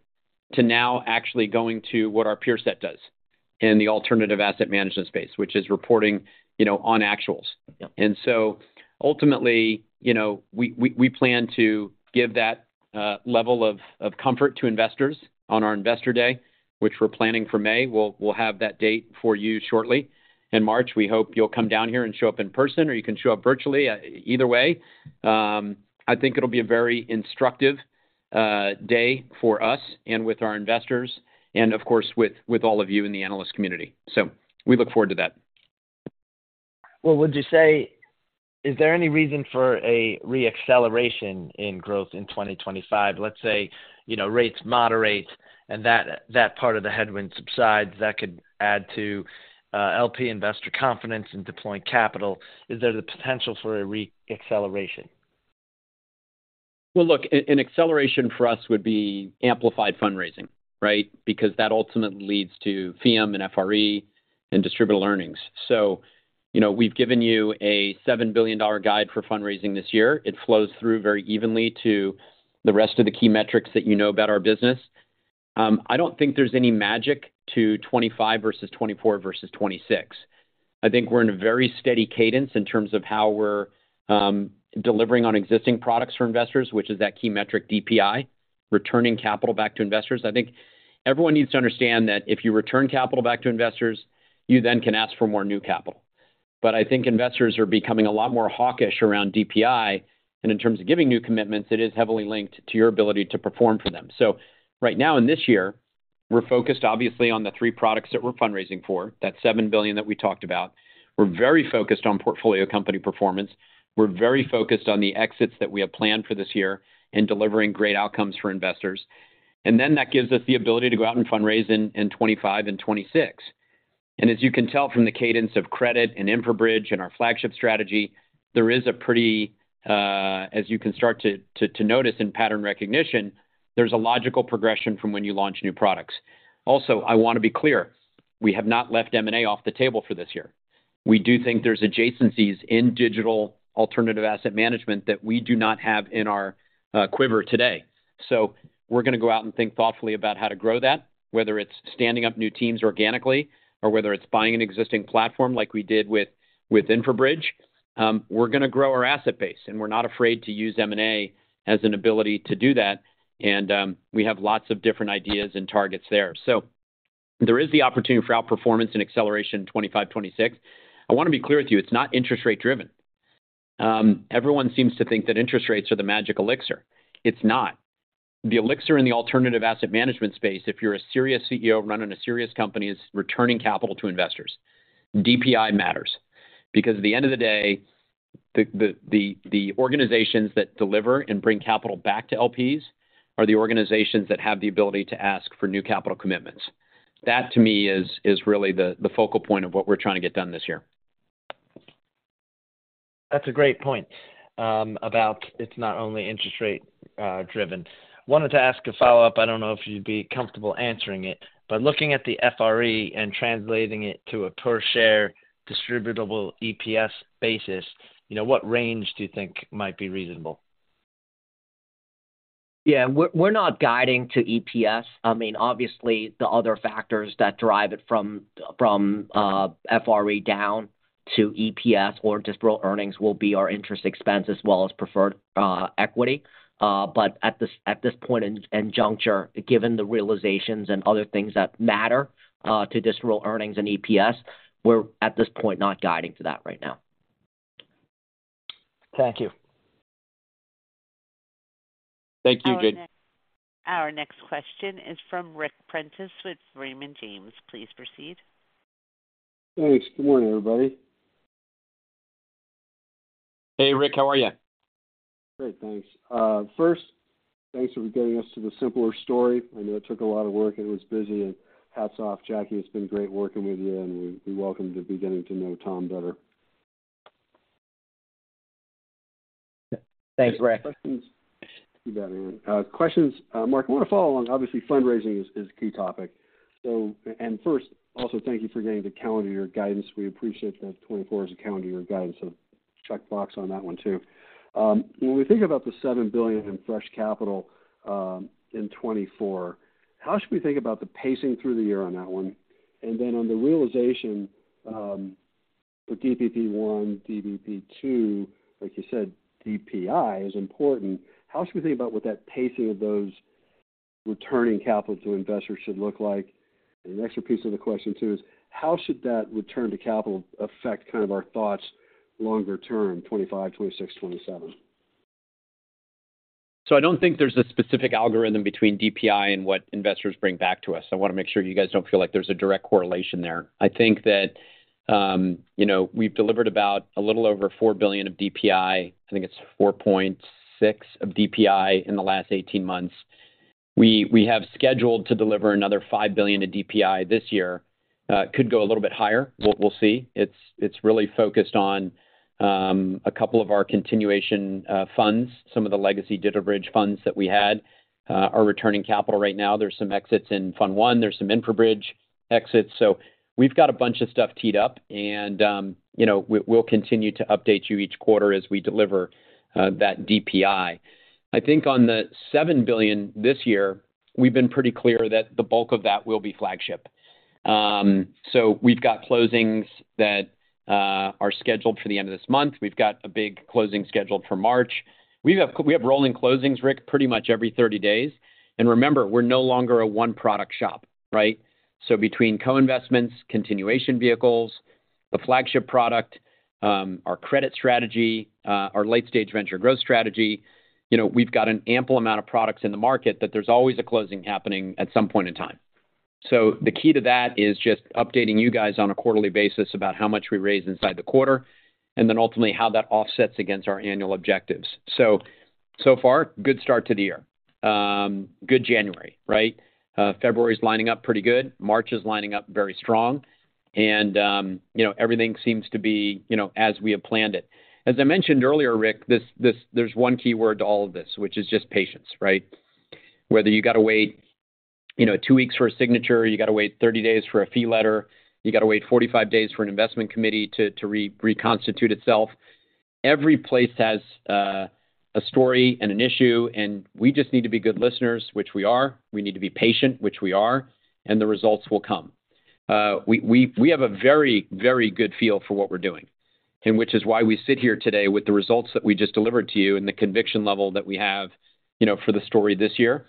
to now actually going to what our peer set does in the alternative asset management space, which is reporting on actuals. And so ultimately, we plan to give that level of comfort to investors on our investor day, which we're planning for May. We'll have that date for you shortly. In March, we hope you'll come down here and show up in person, or you can show up virtually, either way. I think it'll be a very instructive day for us and with our investors and, of course, with all of you in the analyst community. So we look forward to that. Well, would you say is there any reason for a re-acceleration in growth in 2025? Let's say rates moderate and that part of the headwind subsides. That could add to LP investor confidence in deploying capital. Is there the potential for a re-acceleration? Well, look, an acceleration for us would be amplified fundraising, right, because that ultimately leads to FEM and FRE and distributable earnings. So we've given you a $7 billion guide for fundraising this year. It flows through very evenly to the rest of the key metrics that you know about our business. I don't think there's any magic to 2025 versus 2024 versus 2026. I think we're in a very steady cadence in terms of how we're delivering on existing products for investors, which is that key metric, DPI, returning capital back to investors. I think everyone needs to understand that if you return capital back to investors, you then can ask for more new capital. But I think investors are becoming a lot more hawkish around DPI. And in terms of giving new commitments, it is heavily linked to your ability to perform for them. So right now in this year, we're focused, obviously, on the three products that we're fundraising for, that $7 billion that we talked about. We're very focused on portfolio company performance. We're very focused on the exits that we have planned for this year and delivering great outcomes for investors. And then that gives us the ability to go out and fundraise in 2025 and 2026. And as you can tell from the cadence of Credit and InfraBridge and our flagship strategy, there is a pretty as you can start to notice in pattern recognition, there's a logical progression from when you launch new products. Also, I want to be clear. We have not left M&A off the table for this year. We do think there's adjacencies in digital alternative asset management that we do not have in our quiver today. So we're going to go out and think thoughtfully about how to grow that, whether it's standing up new teams organically or whether it's buying an existing platform like we did with InfraBridge. We're going to grow our asset base, and we're not afraid to use M&A as an ability to do that. And we have lots of different ideas and targets there. So there is the opportunity for outperformance and acceleration in 2025, 2026. I want to be clear with you, it's not interest rate driven. Everyone seems to think that interest rates are the magic elixir. It's not. The elixir in the alternative asset management space, if you're a serious CEO running a serious company, is returning capital to investors. DPI matters because at the end of the day, the organizations that deliver and bring capital back to LPs are the organizations that have the ability to ask for new capital commitments. That, to me, is really the focal point of what we're trying to get done this year. That's a great point about it's not only interest rate driven. Wanted to ask a follow-up. I don't know if you'd be comfortable answering it. But looking at the FRE and translating it to a per-share distributable EPS basis, what range do you think might be reasonable? Yeah, we're not guiding to EPS. I mean, obviously, the other factors that drive it from FRE down to EPS or distributable earnings will be our interest expense as well as preferred equity. But at this point and juncture, given the realizations and other things that matter to distributable earnings and EPS, we're at this point not guiding to that right now. Thank you. Thank you, Jade. Our next question is from Ric Prentiss with Raymond James. Please proceed. Thanks. Good morning, everybody. Hey, Ric. How are you? Great, thanks. First, thanks for getting us to the simpler story. I know it took a lot of work, and it was busy. Hats off, Jacky. It's been great working with you, and we welcome to beginning to know Tom better. Thanks, Ric. Questions? Keep that in. Questions, Marc. I want to follow along. Obviously, fundraising is a key topic. First, also, thank you for getting the calendar year guidance. We appreciate that 2024 is a calendar year guidance, so checkbox on that one too. When we think about the $7 billion in fresh capital in 2024, how should we think about the pacing through the year on that one? And then on the realization for DPP1, DBP2, like you said, DPI is important. How should we think about what that pacing of those returning capital to investors should look like? And an extra piece of the question too is, how should that return to capital affect kind of our thoughts longer term, 2025, 2026, 2027? So I don't think there's a specific algorithm between DPI and what investors bring back to us. I want to make sure you guys don't feel like there's a direct correlation there. I think that we've delivered about a little over $4 billion of DPI. I think it's $4.6 billion of DPI in the last 18 months. We have scheduled to deliver another $5 billion of DPI this year. Could go a little bit higher. We'll see. It's really focused on a couple of our continuation funds, some of the legacy DigitalBridge funds that we had. Our returning capital right now, there's some exits in Fund 1. There's some InfraBridge exits. So we've got a bunch of stuff teed up, and we'll continue to update you each quarter as we deliver that DPI. I think on the $7 billion this year, we've been pretty clear that the bulk of that will be flagship. So we've got closings that are scheduled for the end of this month. We've got a big closing scheduled for March. We have rolling closings, Ric, pretty much every 30 days. And remember, we're no longer a one-product shop, right? So between co-investments, continuation vehicles, the flagship product, our credit strategy, our late-stage venture growth strategy, we've got an ample amount of products in the market that there's always a closing happening at some point in time. So the key to that is just updating you guys on a quarterly basis about how much we raise inside the quarter and then ultimately how that offsets against our annual objectives. So far, good start to the year. Good January, right? February's lining up pretty good. March is lining up very strong. Everything seems to be as we have planned it. As I mentioned earlier, Ric, there's one keyword to all of this, which is just patience, right? Whether you got to wait two weeks for a signature, you got to wait 30 days for a fee letter, you got to wait 45 days for an investment committee to reconstitute itself, every place has a story and an issue. We just need to be good listeners, which we are. We need to be patient, which we are. And the results will come. We have a very, very good feel for what we're doing, which is why we sit here today with the results that we just delivered to you and the conviction level that we have for the story this year.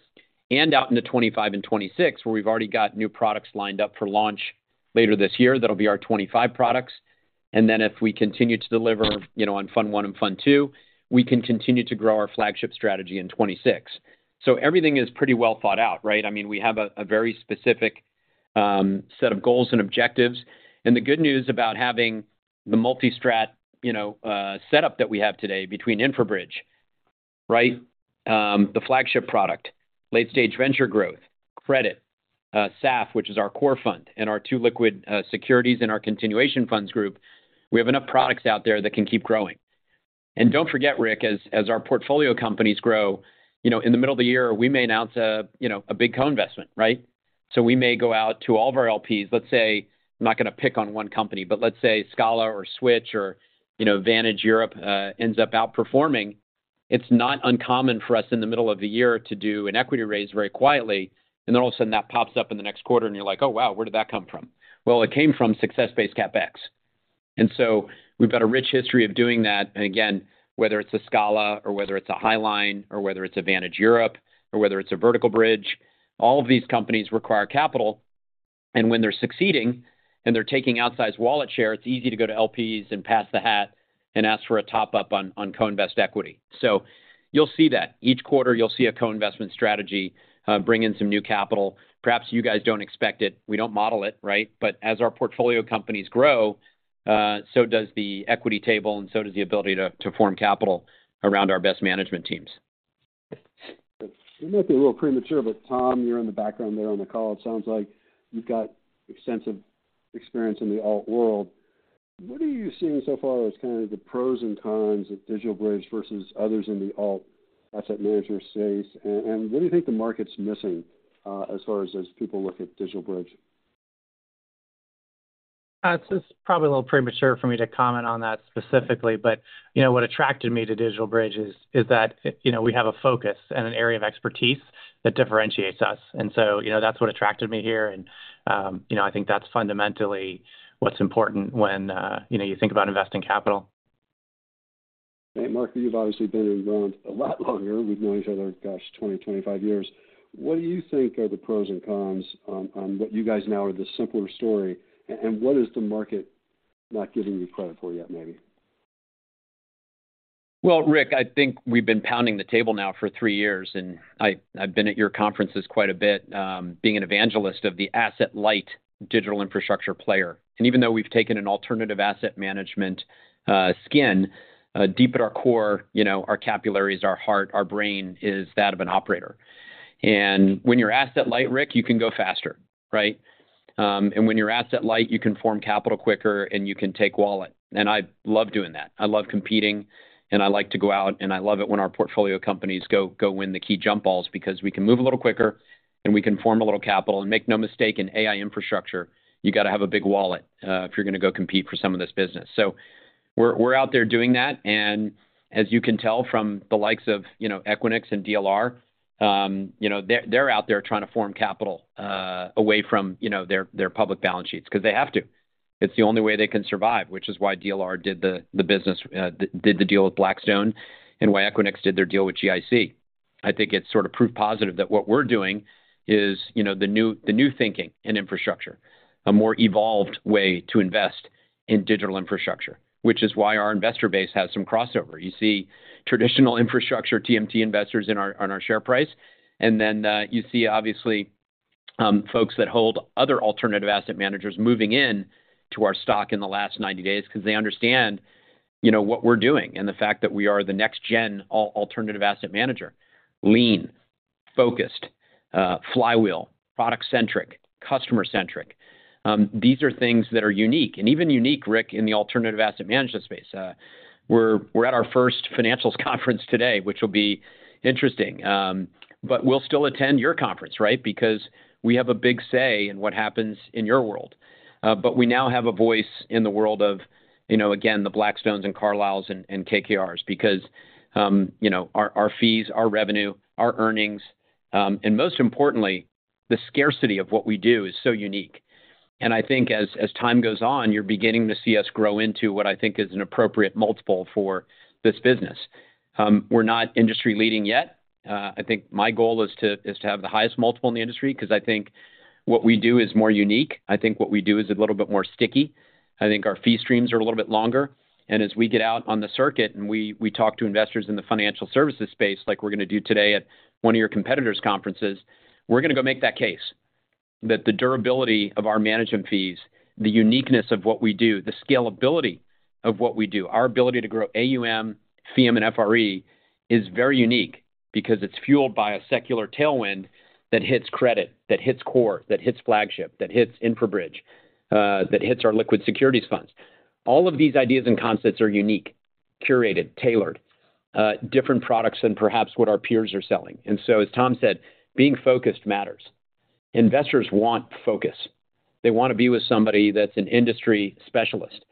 And out in the 2025 and 2026, where we've already got new products lined up for launch later this year, that'll be our 2025 products. And then if we continue to deliver on Fund 1 and Fund 2, we can continue to grow our flagship strategy in 2026. So everything is pretty well thought out, right? I mean, we have a very specific set of goals and objectives. And the good news about having the multi-strat setup that we have today between InfraBridge, right, the flagship product, late-stage venture growth, Credit, SAF, which is our core fund, and our two liquid securities in our continuation funds group, we have enough products out there that can keep growing. And don't forget, Ric, as our portfolio companies grow, in the middle of the year, we may announce a big co-investment, right? So we may go out to all of our LPs. Let's say I'm not going to pick on one company, but let's say Scala or Switch or Vantage Europe ends up outperforming. It's not uncommon for us in the middle of the year to do an equity raise very quietly, and then all of a sudden, that pops up in the next quarter, and you're like, "Oh, wow. Where did that come from?" Well, it came from success-based CapEx. And so we've got a rich history of doing that. And again, whether it's a Scala or whether it's a Highline or whether it's a Vantage Europe or whether it's a Vertical Bridge, all of these companies require capital. And when they're succeeding and they're taking outsized wallet share, it's easy to go to LPs and pass the hat and ask for a top-up on co-invest equity. So you'll see that. Each quarter, you'll see a co-investment strategy bring in some new capital. Perhaps you guys don't expect it. We don't model it, right? But as our portfolio companies grow, so does the equity table, and so does the ability to form capital around our best management teams. You might be a little premature, but Tom, you're in the background there on the call. It sounds like you've got extensive experience in the alt world. What are you seeing so far as kind of the pros and cons of DigitalBridge versus others in the alt asset manager space? And what do you think the market's missing as far as people look at DigitalBridge? It's probably a little premature for me to comment on that specifically. But what attracted me to DigitalBridge is that we have a focus and an area of expertise that differentiates us. And so that's what attracted me here. And I think that's fundamentally what's important when you think about investing capital. Hey, Marc, you've obviously been around a lot longer. We've known each other, gosh, 20, 25 years. What do you think are the pros and cons on what you guys now are the simpler story? And what is the market not giving you credit for yet, maybe? Well, Ric, I think we've been pounding the table now for three years. I've been at your conferences quite a bit, being an evangelist of the asset-light digital infrastructure player. Even though we've taken an alternative asset management skin, deep at our core, our capillaries, our heart, our brain is that of an operator. When you're asset-light, Rick, you can go faster, right? When you're asset-light, you can form capital quicker, and you can take wallet. I love doing that. I love competing, and I like to go out. I love it when our portfolio companies go win the key jump balls because we can move a little quicker, and we can form a little capital. Make no mistake, in AI infrastructure, you got to have a big wallet if you're going to go compete for some of this business. So we're out there doing that. And as you can tell from the likes of Equinix and DLR, they're out there trying to form capital away from their public balance sheets because they have to. It's the only way they can survive, which is why DLR did the business, did the deal with Blackstone, and why Equinix did their deal with GIC. I think it's sort of proof positive that what we're doing is the new thinking in infrastructure, a more evolved way to invest in digital infrastructure, which is why our investor base has some crossover. You see traditional infrastructure TMT investors on our share price. And then you see, obviously, folks that hold other alternative asset managers moving into our stock in the last 90 days because they understand what we're doing and the fact that we are the next-gen alternative asset manager: lean, focused, flywheel, product-centric, customer-centric. These are things that are unique, and even unique, Ric, in the alternative asset management space. We're at our first financials conference today, which will be interesting. But we'll still attend your conference, right, because we have a big say in what happens in your world. But we now have a voice in the world of, again, the Blackstones, Carlyles, and KKRs because our fees, our revenue, our earnings, and most importantly, the scarcity of what we do is so unique. And I think as time goes on, you're beginning to see us grow into what I think is an appropriate multiple for this business. We're not industry-leading yet. I think my goal is to have the highest multiple in the industry because I think what we do is more unique. I think what we do is a little bit more sticky. I think our fee streams are a little bit longer. As we get out on the circuit and we talk to investors in the financial services space, like we're going to do today at one of your competitors' conferences, we're going to go make that case that the durability of our management fees, the uniqueness of what we do, the scalability of what we do, our ability to grow AUM, FEM, and FRE is very unique because it's fueled by a secular tailwind that hits Credit, that hits Core, that hits Flagship, that hits InfraBridge, that hits our liquid securities funds. All of these ideas and concepts are unique, curated, tailored, different products than perhaps what our peers are selling. So, as Tom said, being focused matters. Investors want focus. They want to be with somebody that's an industry specialist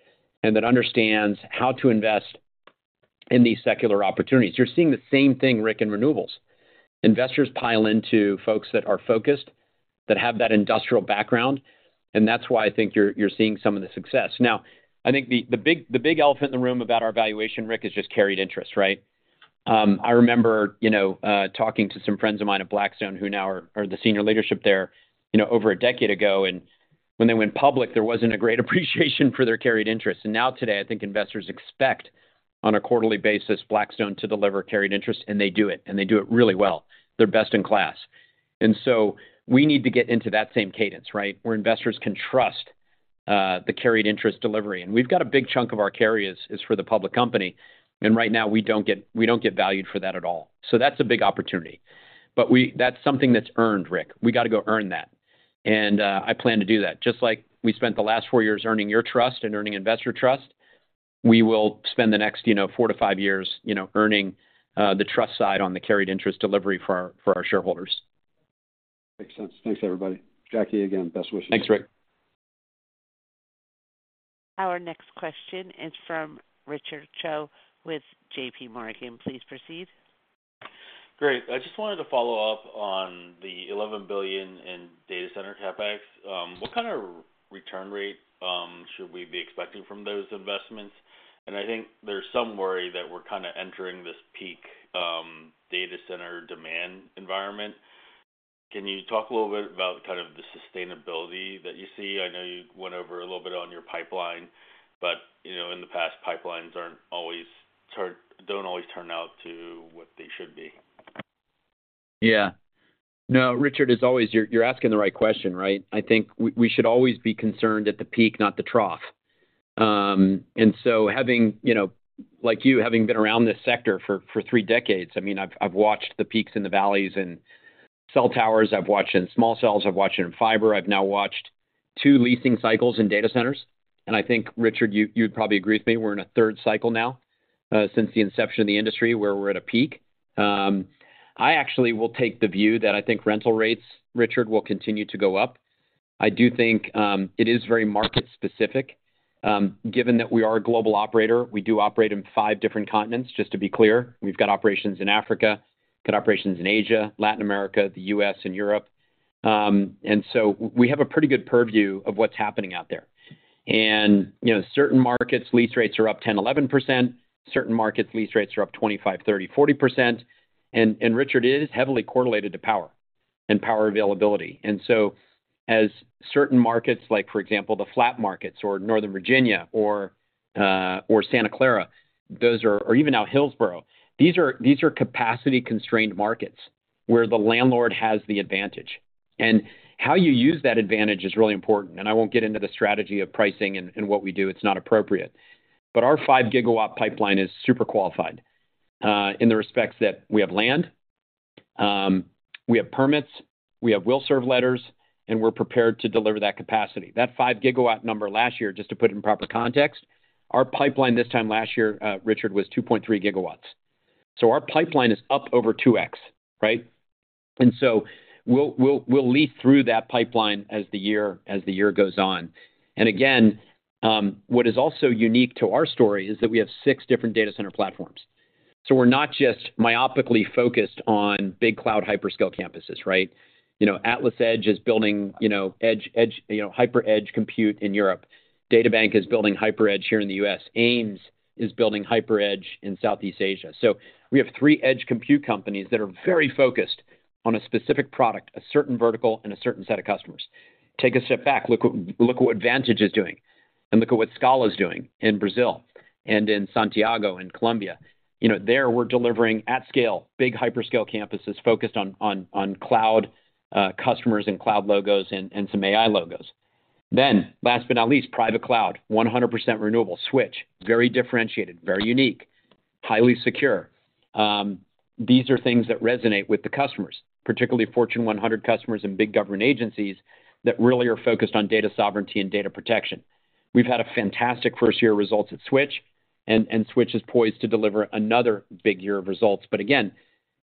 and that understands how to invest in these secular opportunities. You're seeing the same thing, Ric, in renewables. Investors pile into folks that are focused, that have that industrial background. That's why I think you're seeing some of the success. Now, I think the big elephant in the room about our valuation, Ric, is just carried interest, right? I remember talking to some friends of mine at Blackstone who now are the senior leadership there over a decade ago. When they went public, there wasn't a great appreciation for their carried interest. Now today, I think investors expect, on a quarterly basis, Blackstone to deliver carried interest. And they do it. And they do it really well. They're best in class. We need to get into that same cadence, right, where investors can trust the carried interest delivery. We've got a big chunk of our carry is for the public company. Right now, we don't get valued for that at all. That's a big opportunity. That's something that's earned, Ric. We got to go earn that. I plan to do that. Just like we spent the last four years earning your trust and earning investor trust, we will spend the next four to five years earning the trust side on the carried interest delivery for our shareholders. Makes sense. Thanks, everybody. Jacky, again, best wishes. Thanks, Ric. Our next question is from Richard Choe with JPMorgan. Please proceed. Great. I just wanted to follow up on the $11 billion in data center CapEx. What kind of return rate should we be expecting from those investments? And I think there's some worry that we're kind of entering this peak data center demand environment. Can you talk a little bit about kind of the sustainability that you see? I know you went over a little bit on your pipeline, but in the past, pipelines don't always turn out to what they should be. Yeah. No, Richard, you're asking the right question, right? I think we should always be concerned at the peak, not the trough. And so, like you, having been around this sector for three decades, I mean, I've watched the peaks and the valleys in cell towers. I've watched in small cells. I've watched in fiber. I've now watched two leasing cycles in data centers. And I think, Richard, you'd probably agree with me. We're in a third cycle now since the inception of the industry where we're at a peak. I actually will take the view that I think rental rates, Richard, will continue to go up. I do think it is very market-specific. Given that we are a global operator, we do operate in five different continents, just to be clear. We've got operations in Africa, got operations in Asia, Latin America, the U.S., and Europe. And so we have a pretty good purview of what's happening out there. Certain markets, lease rates are up 10%-11%. Certain markets, lease rates are up 25%, 30%, 40%. Richard, it is heavily correlated to power and power availability. As certain markets, like, for example, the FLAP markets or Northern Virginia or Santa Clara, or even now Hillsboro, these are capacity-constrained markets where the landlord has the advantage. How you use that advantage is really important. I won't get into the strategy of pricing and what we do. It's not appropriate. Our 5-gigawatt pipeline is super qualified in the respects that we have land, we have permits, we have will serve letters, and we're prepared to deliver that capacity. That 5-gigawatt number last year, just to put it in proper context, our pipeline this time last year, Richard, was 2.3 gigawatts. So our pipeline is up over 2X, right? And so we'll lease through that pipeline as the year goes on. And again, what is also unique to our story is that we have six different data center platforms. So we're not just myopically focused on big cloud hyperscale campuses, right? AtlasEdge is building hyper-edge compute in Europe. DataBank is building hyper-edge here in the U.S. AIMS is building hyper-edge in Southeast Asia. So we have three edge compute companies that are very focused on a specific product, a certain vertical, and a certain set of customers. Take a step back. Look at what Vantage is doing. And look at what Scala is doing in Brazil and in Santiago and Colombia. There, we're delivering at scale, big hyperscale campuses focused on cloud customers and cloud logos and some AI logos. Then, last but not least, private cloud, 100% renewable, Switch, very differentiated, very unique, highly secure. These are things that resonate with the customers, particularly Fortune 100 customers and big government agencies that really are focused on data sovereignty and data protection. We've had a fantastic first-year results at Switch. Switch is poised to deliver another big year of results. But again,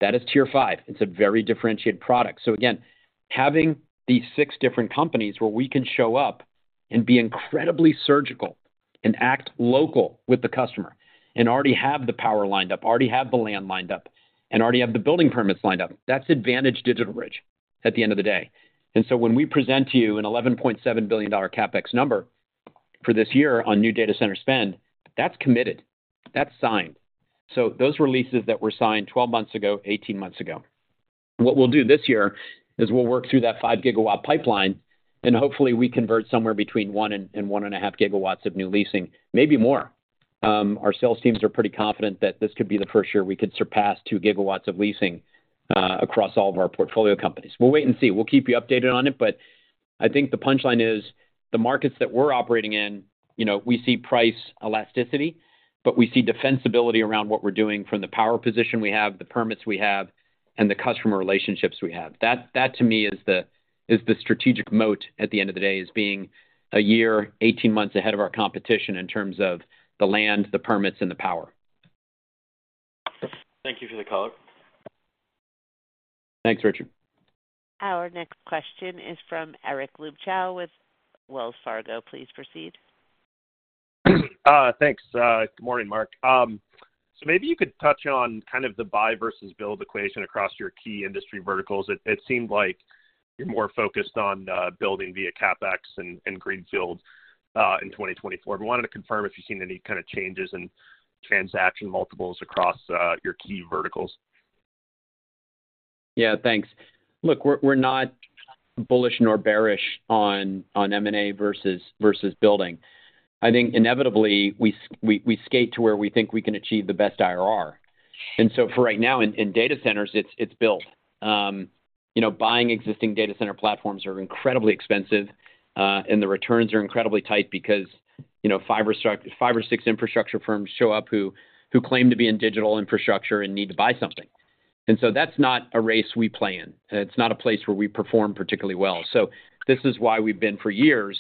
that is tier five. It's a very differentiated product. So again, having these six different companies where we can show up and be incredibly surgical and act local with the customer and already have the power lined up, already have the land lined up, and already have the building permits lined up, that's advantage DigitalBridge at the end of the day. And so when we present to you an $11.7 billion CapEx number for this year on new data center spend, that's committed. That's signed. So those releases that were signed 12 months ago, 18 months ago, what we'll do this year is we'll work through that 5-GW pipeline. And hopefully, we convert somewhere between 1 and 1.5 GW of new leasing, maybe more. Our sales teams are pretty confident that this could be the first year we could surpass 2 GW of leasing across all of our portfolio companies. We'll wait and see. We'll keep you updated on it. But I think the punchline is the markets that we're operating in, we see price elasticity, but we see defensibility around what we're doing from the power position we have, the permits we have, and the customer relationships we have. That, to me, is the strategic moat at the end of the day, is being 1 year, 18 months ahead of our competition in terms of the land, the permits, and the power. Thank you for the callout. Thanks, Richard. Our next question is from Eric Luebchow with Wells Fargo. Please proceed. Thanks. Good morning, Marc. So maybe you could touch on kind of the buy versus build equation across your key industry verticals. It seemed like you're more focused on building via CapEx and Greenfield in 2024. But we wanted to confirm if you've seen any kind of changes in transaction multiples across your key verticals. Yeah, thanks. Look, we're not bullish nor bearish on M&A versus building. I think, inevitably, we skate to where we think we can achieve the best IRR. And so for right now, in data centers, it's built. Buying existing data center platforms are incredibly expensive. And the returns are incredibly tight because five or six infrastructure firms show up who claim to be in digital infrastructure and need to buy something. And so that's not a race we play in. It's not a place where we perform particularly well. So this is why we've been for years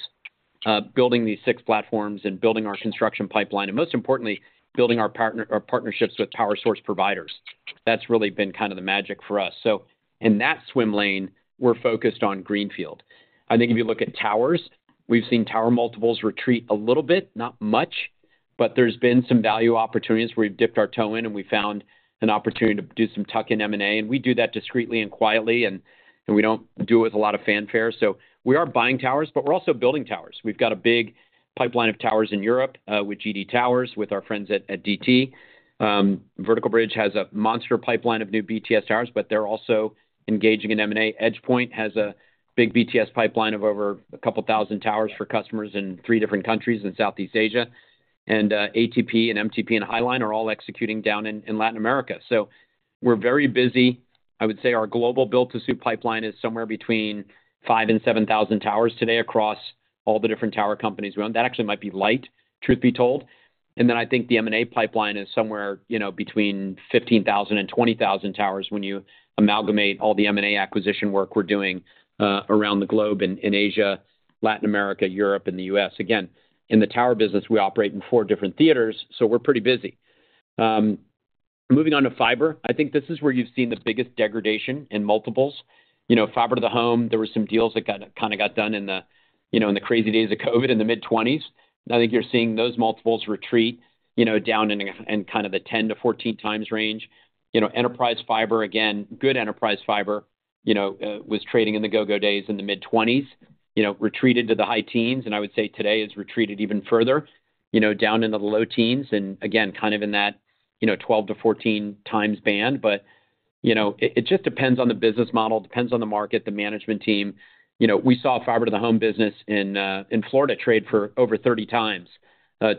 building these six platforms and building our construction pipeline and, most importantly, building our partnerships with power source providers. That's really been kind of the magic for us. So in that swim lane, we're focused on Greenfield. I think if you look at towers, we've seen tower multiples retreat a little bit, not much. But there's been some value opportunities where we've dipped our toe in, and we found an opportunity to do some tuck-in M&A. And we do that discreetly and quietly. And we don't do it with a lot of fanfare. So we are buying towers, but we're also building towers. We've got a big pipeline of towers in Europe with GD Towers, with our friends at DT. Vertical Bridge has a monster pipeline of new BTS towers, but they're also engaging in M&A. EdgePoint has a big BTS pipeline of over a couple thousand towers for customers in three different countries in Southeast Asia. And ATP and MTP and Highline are all executing down in Latin America. So we're very busy. I would say our global build-to-suit pipeline is somewhere between 5,000 and 7,000 towers today across all the different tower companies we own. That actually might be light, truth be told. And then I think the M&A pipeline is somewhere between 15,000 and 20,000 towers when you amalgamate all the M&A acquisition work we're doing around the globe in Asia, Latin America, Europe, and the US. Again, in the tower business, we operate in four different theaters. So we're pretty busy. Moving on to fiber, I think this is where you've seen the biggest degradation in multiples. Fiber to the Home, there were some deals that kind of got done in the crazy days of COVID in the mid-20s. I think you're seeing those multiples retreat down in kind of the 10-14x range. Enterprise Fiber, again, good Enterprise Fiber, was trading in the go-go days in the mid-20s, retreated to the high teens. I would say today has retreated even further down in the low teens and, again, kind of in that 12-14x band. But it just depends on the business model, depends on the market, the management team. We saw Fiber to the Home business in Florida trade for over 30x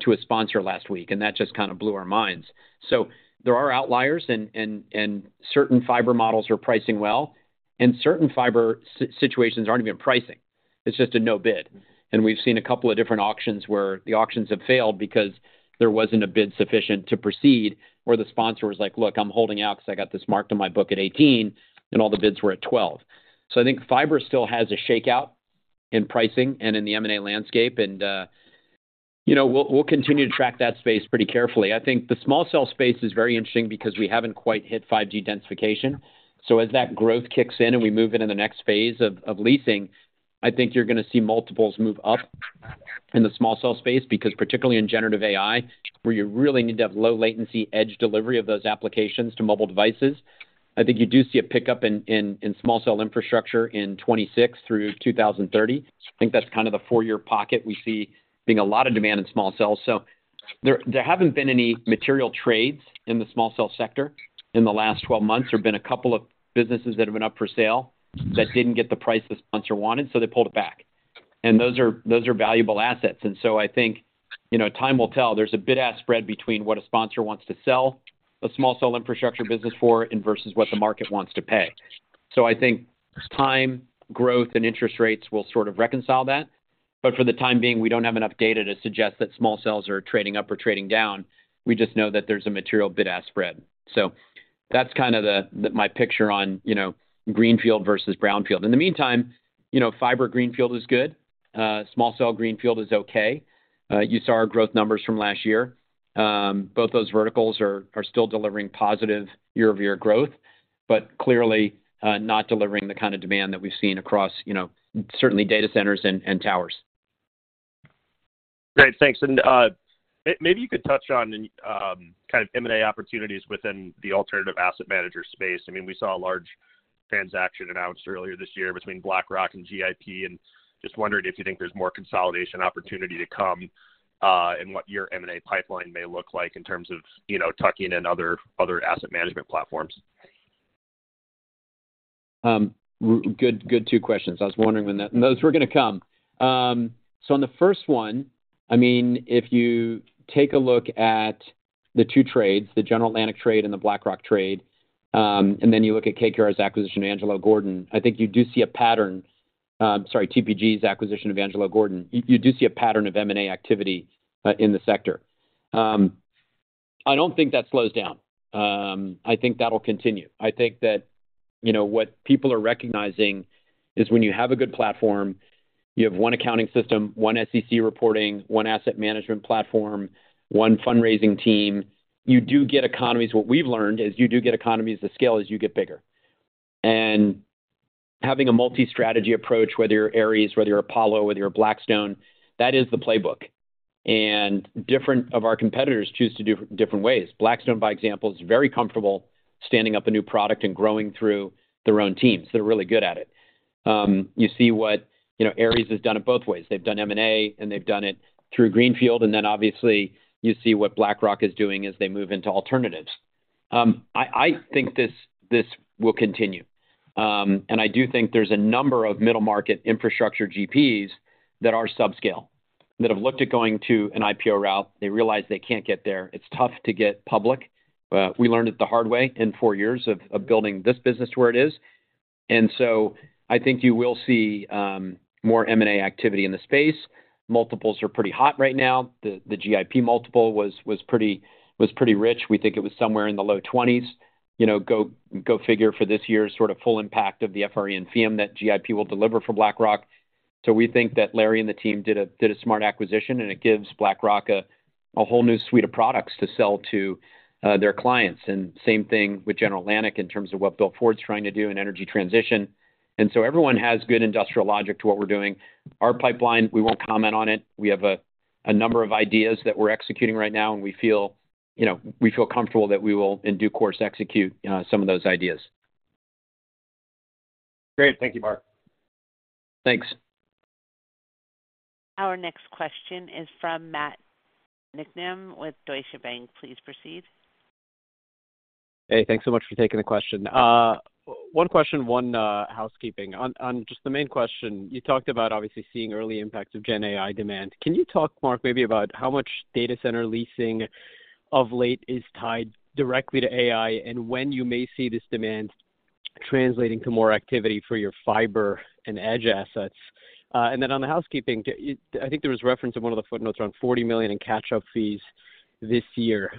to a sponsor last week. And that just kind of blew our minds. So there are outliers. And certain fiber models are pricing well. And certain fiber situations aren't even pricing. It's just a no bid. We've seen a couple of different auctions where the auctions have failed because there wasn't a bid sufficient to proceed where the sponsor was like, "Look, I'm holding out because I got this marked on my book at 18." All the bids were at 12. I think fiber still has a shakeout in pricing and in the M&A landscape. We'll continue to track that space pretty carefully. I think the small cell space is very interesting because we haven't quite hit 5G densification. So as that growth kicks in and we move into the next phase of leasing, I think you're going to see multiples move up in the small cell space because, particularly in generative AI, where you really need to have low-latency edge delivery of those applications to mobile devices, I think you do see a pickup in small cell infrastructure in 2026 through 2030. I think that's kind of the four-year pocket we see being a lot of demand in small cells. So there haven't been any material trades in the small cell sector in the last 12 months. There have been a couple of businesses that have been up for sale that didn't get the price the sponsor wanted. So they pulled it back. And those are valuable assets. And so I think time will tell. There's a bid-ask spread between what a sponsor wants to sell a small cell infrastructure business for versus what the market wants to pay. So I think time, growth, and interest rates will sort of reconcile that. But for the time being, we don't have enough data to suggest that small cells are trading up or trading down. We just know that there's a material bid-ask spread. So that's kind of my picture on Greenfield versus Brownfield. In the meantime, fiber Greenfield is good. Small cell Greenfield is okay. You saw our growth numbers from last year. Both those verticals are still delivering positive year-over-year growth, but clearly not delivering the kind of demand that we've seen across, certainly, data centers and towers. Great. Thanks. And maybe you could touch on kind of M&A opportunities within the alternative asset manager space. I mean, we saw a large transaction announced earlier this year between BlackRock and GIP. And just wondering if you think there's more consolidation opportunity to come and what your M&A pipeline may look like in terms of tucking in other asset management platforms? Good, two questions. I was wondering when those were going to come. So on the first one, I mean, if you take a look at the two trades, the General Atlantic trade and the BlackRock trade, and then you look at KKR's acquisition of Angelo Gordon, I think you do see a pattern, sorry, TPG's acquisition of Angelo Gordon. You do see a pattern of M&A activity in the sector. I don't think that slows down. I think that'll continue. I think that what people are recognizing is when you have a good platform, you have one accounting system, one SEC reporting, one asset management platform, one fundraising team, you do get economies. What we've learned is you do get economies of scale as you get bigger. And having a multi-strategy approach, whether you're Ares, whether you're Apollo, whether you're Blackstone, that is the playbook. Different of our competitors choose to do different ways. Blackstone, for example, is very comfortable standing up a new product and growing through their own teams. They're really good at it. You see what Ares has done in both ways. They've done M&A, and they've done it through Greenfield. Then, obviously, you see what BlackRock is doing as they move into alternatives. I think this will continue. I do think there's a number of middle-market infrastructure GPs that are subscale, that have looked at going to an IPO route. They realize they can't get there. It's tough to get public. We learned it the hard way in four years of building this business to where it is. So I think you will see more M&A activity in the space. Multiples are pretty hot right now. The GIP multiple was pretty rich. We think it was somewhere in the low 20s. Go figure for this year's sort of full impact of the FRE and FEM that GIP will deliver for BlackRock. So we think that Larry and the team did a smart acquisition. And it gives BlackRock a whole new suite of products to sell to their clients. And same thing with General Atlantic in terms of what Bill Ford's trying to do in energy transition. And so everyone has good industrial logic to what we're doing. Our pipeline, we won't comment on it. We have a number of ideas that we're executing right now. And we feel comfortable that we will, in due course, execute some of those ideas. Great. Thank you, Marc. Thanks. Our next question is from Matt Niknam with Deutsche Bank. Please proceed. Hey, thanks so much for taking the question. One question, one housekeeping. On just the main question, you talked about, obviously, seeing early impacts of GenAI demand. Can you talk, Marc, maybe about how much data center leasing of late is tied directly to AI and when you may see this demand translating to more activity for your fiber and edge assets? And then on the housekeeping, I think there was reference in one of the footnotes around $40 million in catch-up fees this year.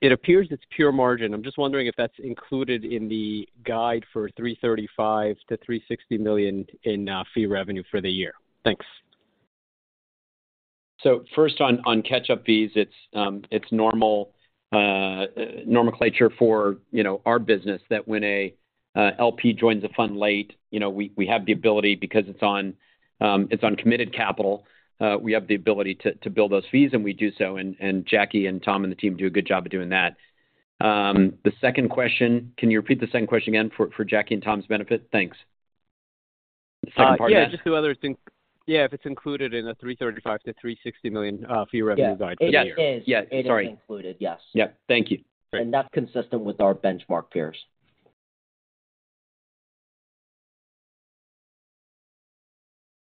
It appears it's pure margin. I'm just wondering if that's included in the guide for $335 million-$360 million in fee revenue for the year. Thanks. So first, on catch-up fees, it's normal nomenclature for our business that when an LP joins a fund late, we have the ability because it's on committed capital, we have the ability to build those fees. And we do so. And Jacky and Tom and the team do a good job of doing that. The second question, can you repeat the second question again for Jacky and Tom's benefit? Thanks. The second part, Matt? Yeah, just who others think yeah, if it's included in the $335 million-$360 million fee revenue guide for the year. Yes, it is. Yes, it is included. Yes. Yeah. Thank you. That's consistent with our benchmark peers.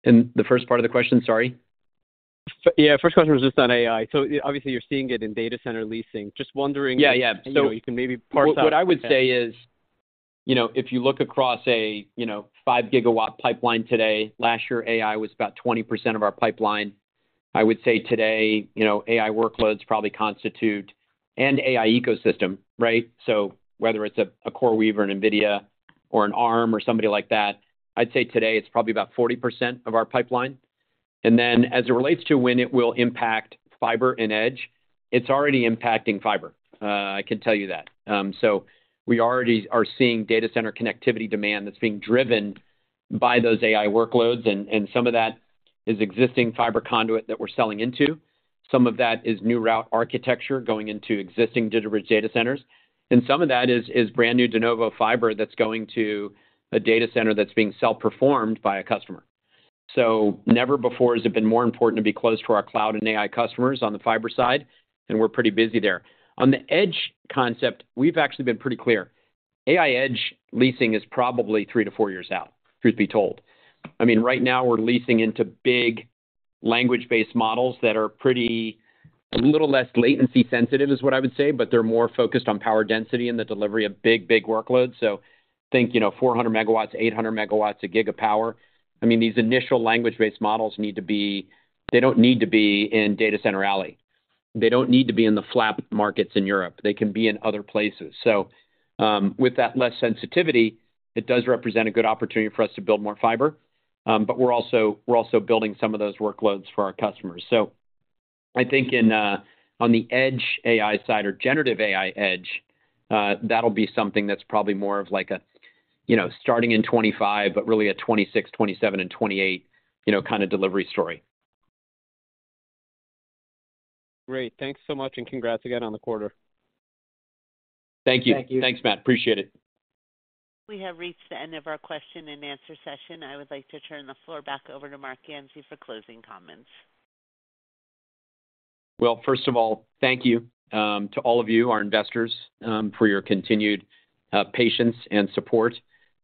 The first part of the question, sorry? Yeah, first question was just on AI. So obviously, you're seeing it in data center leasing. Just wondering. Yeah, yeah. You can maybe parse out. What I would say is if you look across a 5 GW pipeline today, last year, AI was about 20% of our pipeline. I would say today, AI workloads probably constitute an AI ecosystem, right? So whether it's a CoreWeave and Nvidia or an Arm or somebody like that, I'd say today, it's probably about 40% of our pipeline. And then as it relates to when it will impact fiber and edge, it's already impacting fiber. I can tell you that. So we already are seeing data center connectivity demand that's being driven by those AI workloads. And some of that is existing fiber conduit that we're selling into. Some of that is new route architecture going into existing data centers. And some of that is brand new de novo fiber that's going to a data center that's being self-performed by a customer. So never before has it been more important to be close to our cloud and AI customers on the fiber side. And we're pretty busy there. On the edge concept, we've actually been pretty clear. AI edge leasing is probably 3-4 years out, truth be told. I mean, right now, we're leasing into big language-based models that are a little less latency-sensitive, is what I would say. But they're more focused on power density and the delivery of big, big workloads. So think 400 MW, 800 MW, 1 GW of power. I mean, these initial language-based models, they don't need to be in Data Center Alley. They don't need to be in the FLAP markets in Europe. They can be in other places. So with that less sensitivity, it does represent a good opportunity for us to build more fiber. But we're also building some of those workloads for our customers. So I think on the edge AI side or generative AI edge, that'll be something that's probably more of like a starting in 2025, but really a 2026, 2027, and 2028 kind of delivery story. Great. Thanks so much. Congrats again on the quarter. Thank you. Thank you. Thanks, Matt. Appreciate it. We have reached the end of our question and answer session. I would like to turn the floor back over to Marc Ganzi for closing comments. Well, first of all, thank you to all of you, our investors, for your continued patience and support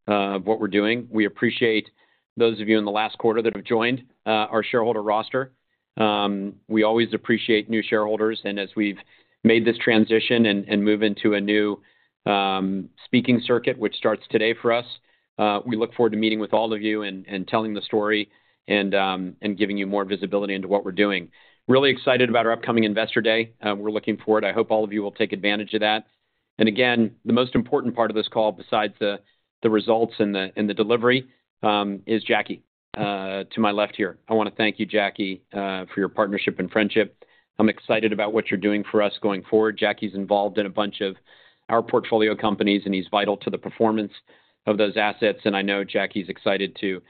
of what we're doing. We appreciate those of you in the last quarter that have joined our shareholder roster. We always appreciate new shareholders. And as we've made this transition and move into a new speaking circuit, which starts today for us, we look forward to meeting with all of you and telling the story and giving you more visibility into what we're doing. Really excited about our upcoming Investor Day. We're looking forward. I hope all of you will take advantage of that. And again, the most important part of this call, besides the results and the delivery, is Jacky to my left here. I want to thank you, Jacky, for your partnership and friendship. I'm excited about what you're doing for us going forward. Jacky's involved in a bunch of our portfolio companies. He's vital to the performance of those assets. I know Jacky's excited to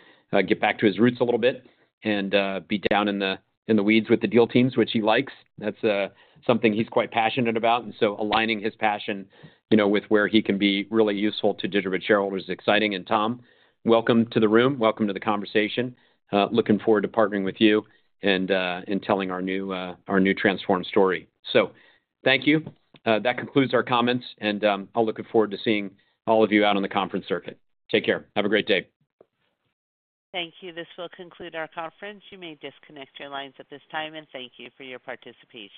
get back to his roots a little bit and be down in the weeds with the deal teams, which he likes. That's something he's quite passionate about. So aligning his passion with where he can be really useful to DigitalBridge shareholders is exciting. Tom, welcome to the room. Welcome to the conversation. Looking forward to partnering with you and telling our new transform story. Thank you. That concludes our comments. I'll look forward to seeing all of you out on the conference circuit. Take care. Have a great day. Thank you. This will conclude our conference. You may disconnect your lines at this time. Thank you for your participation.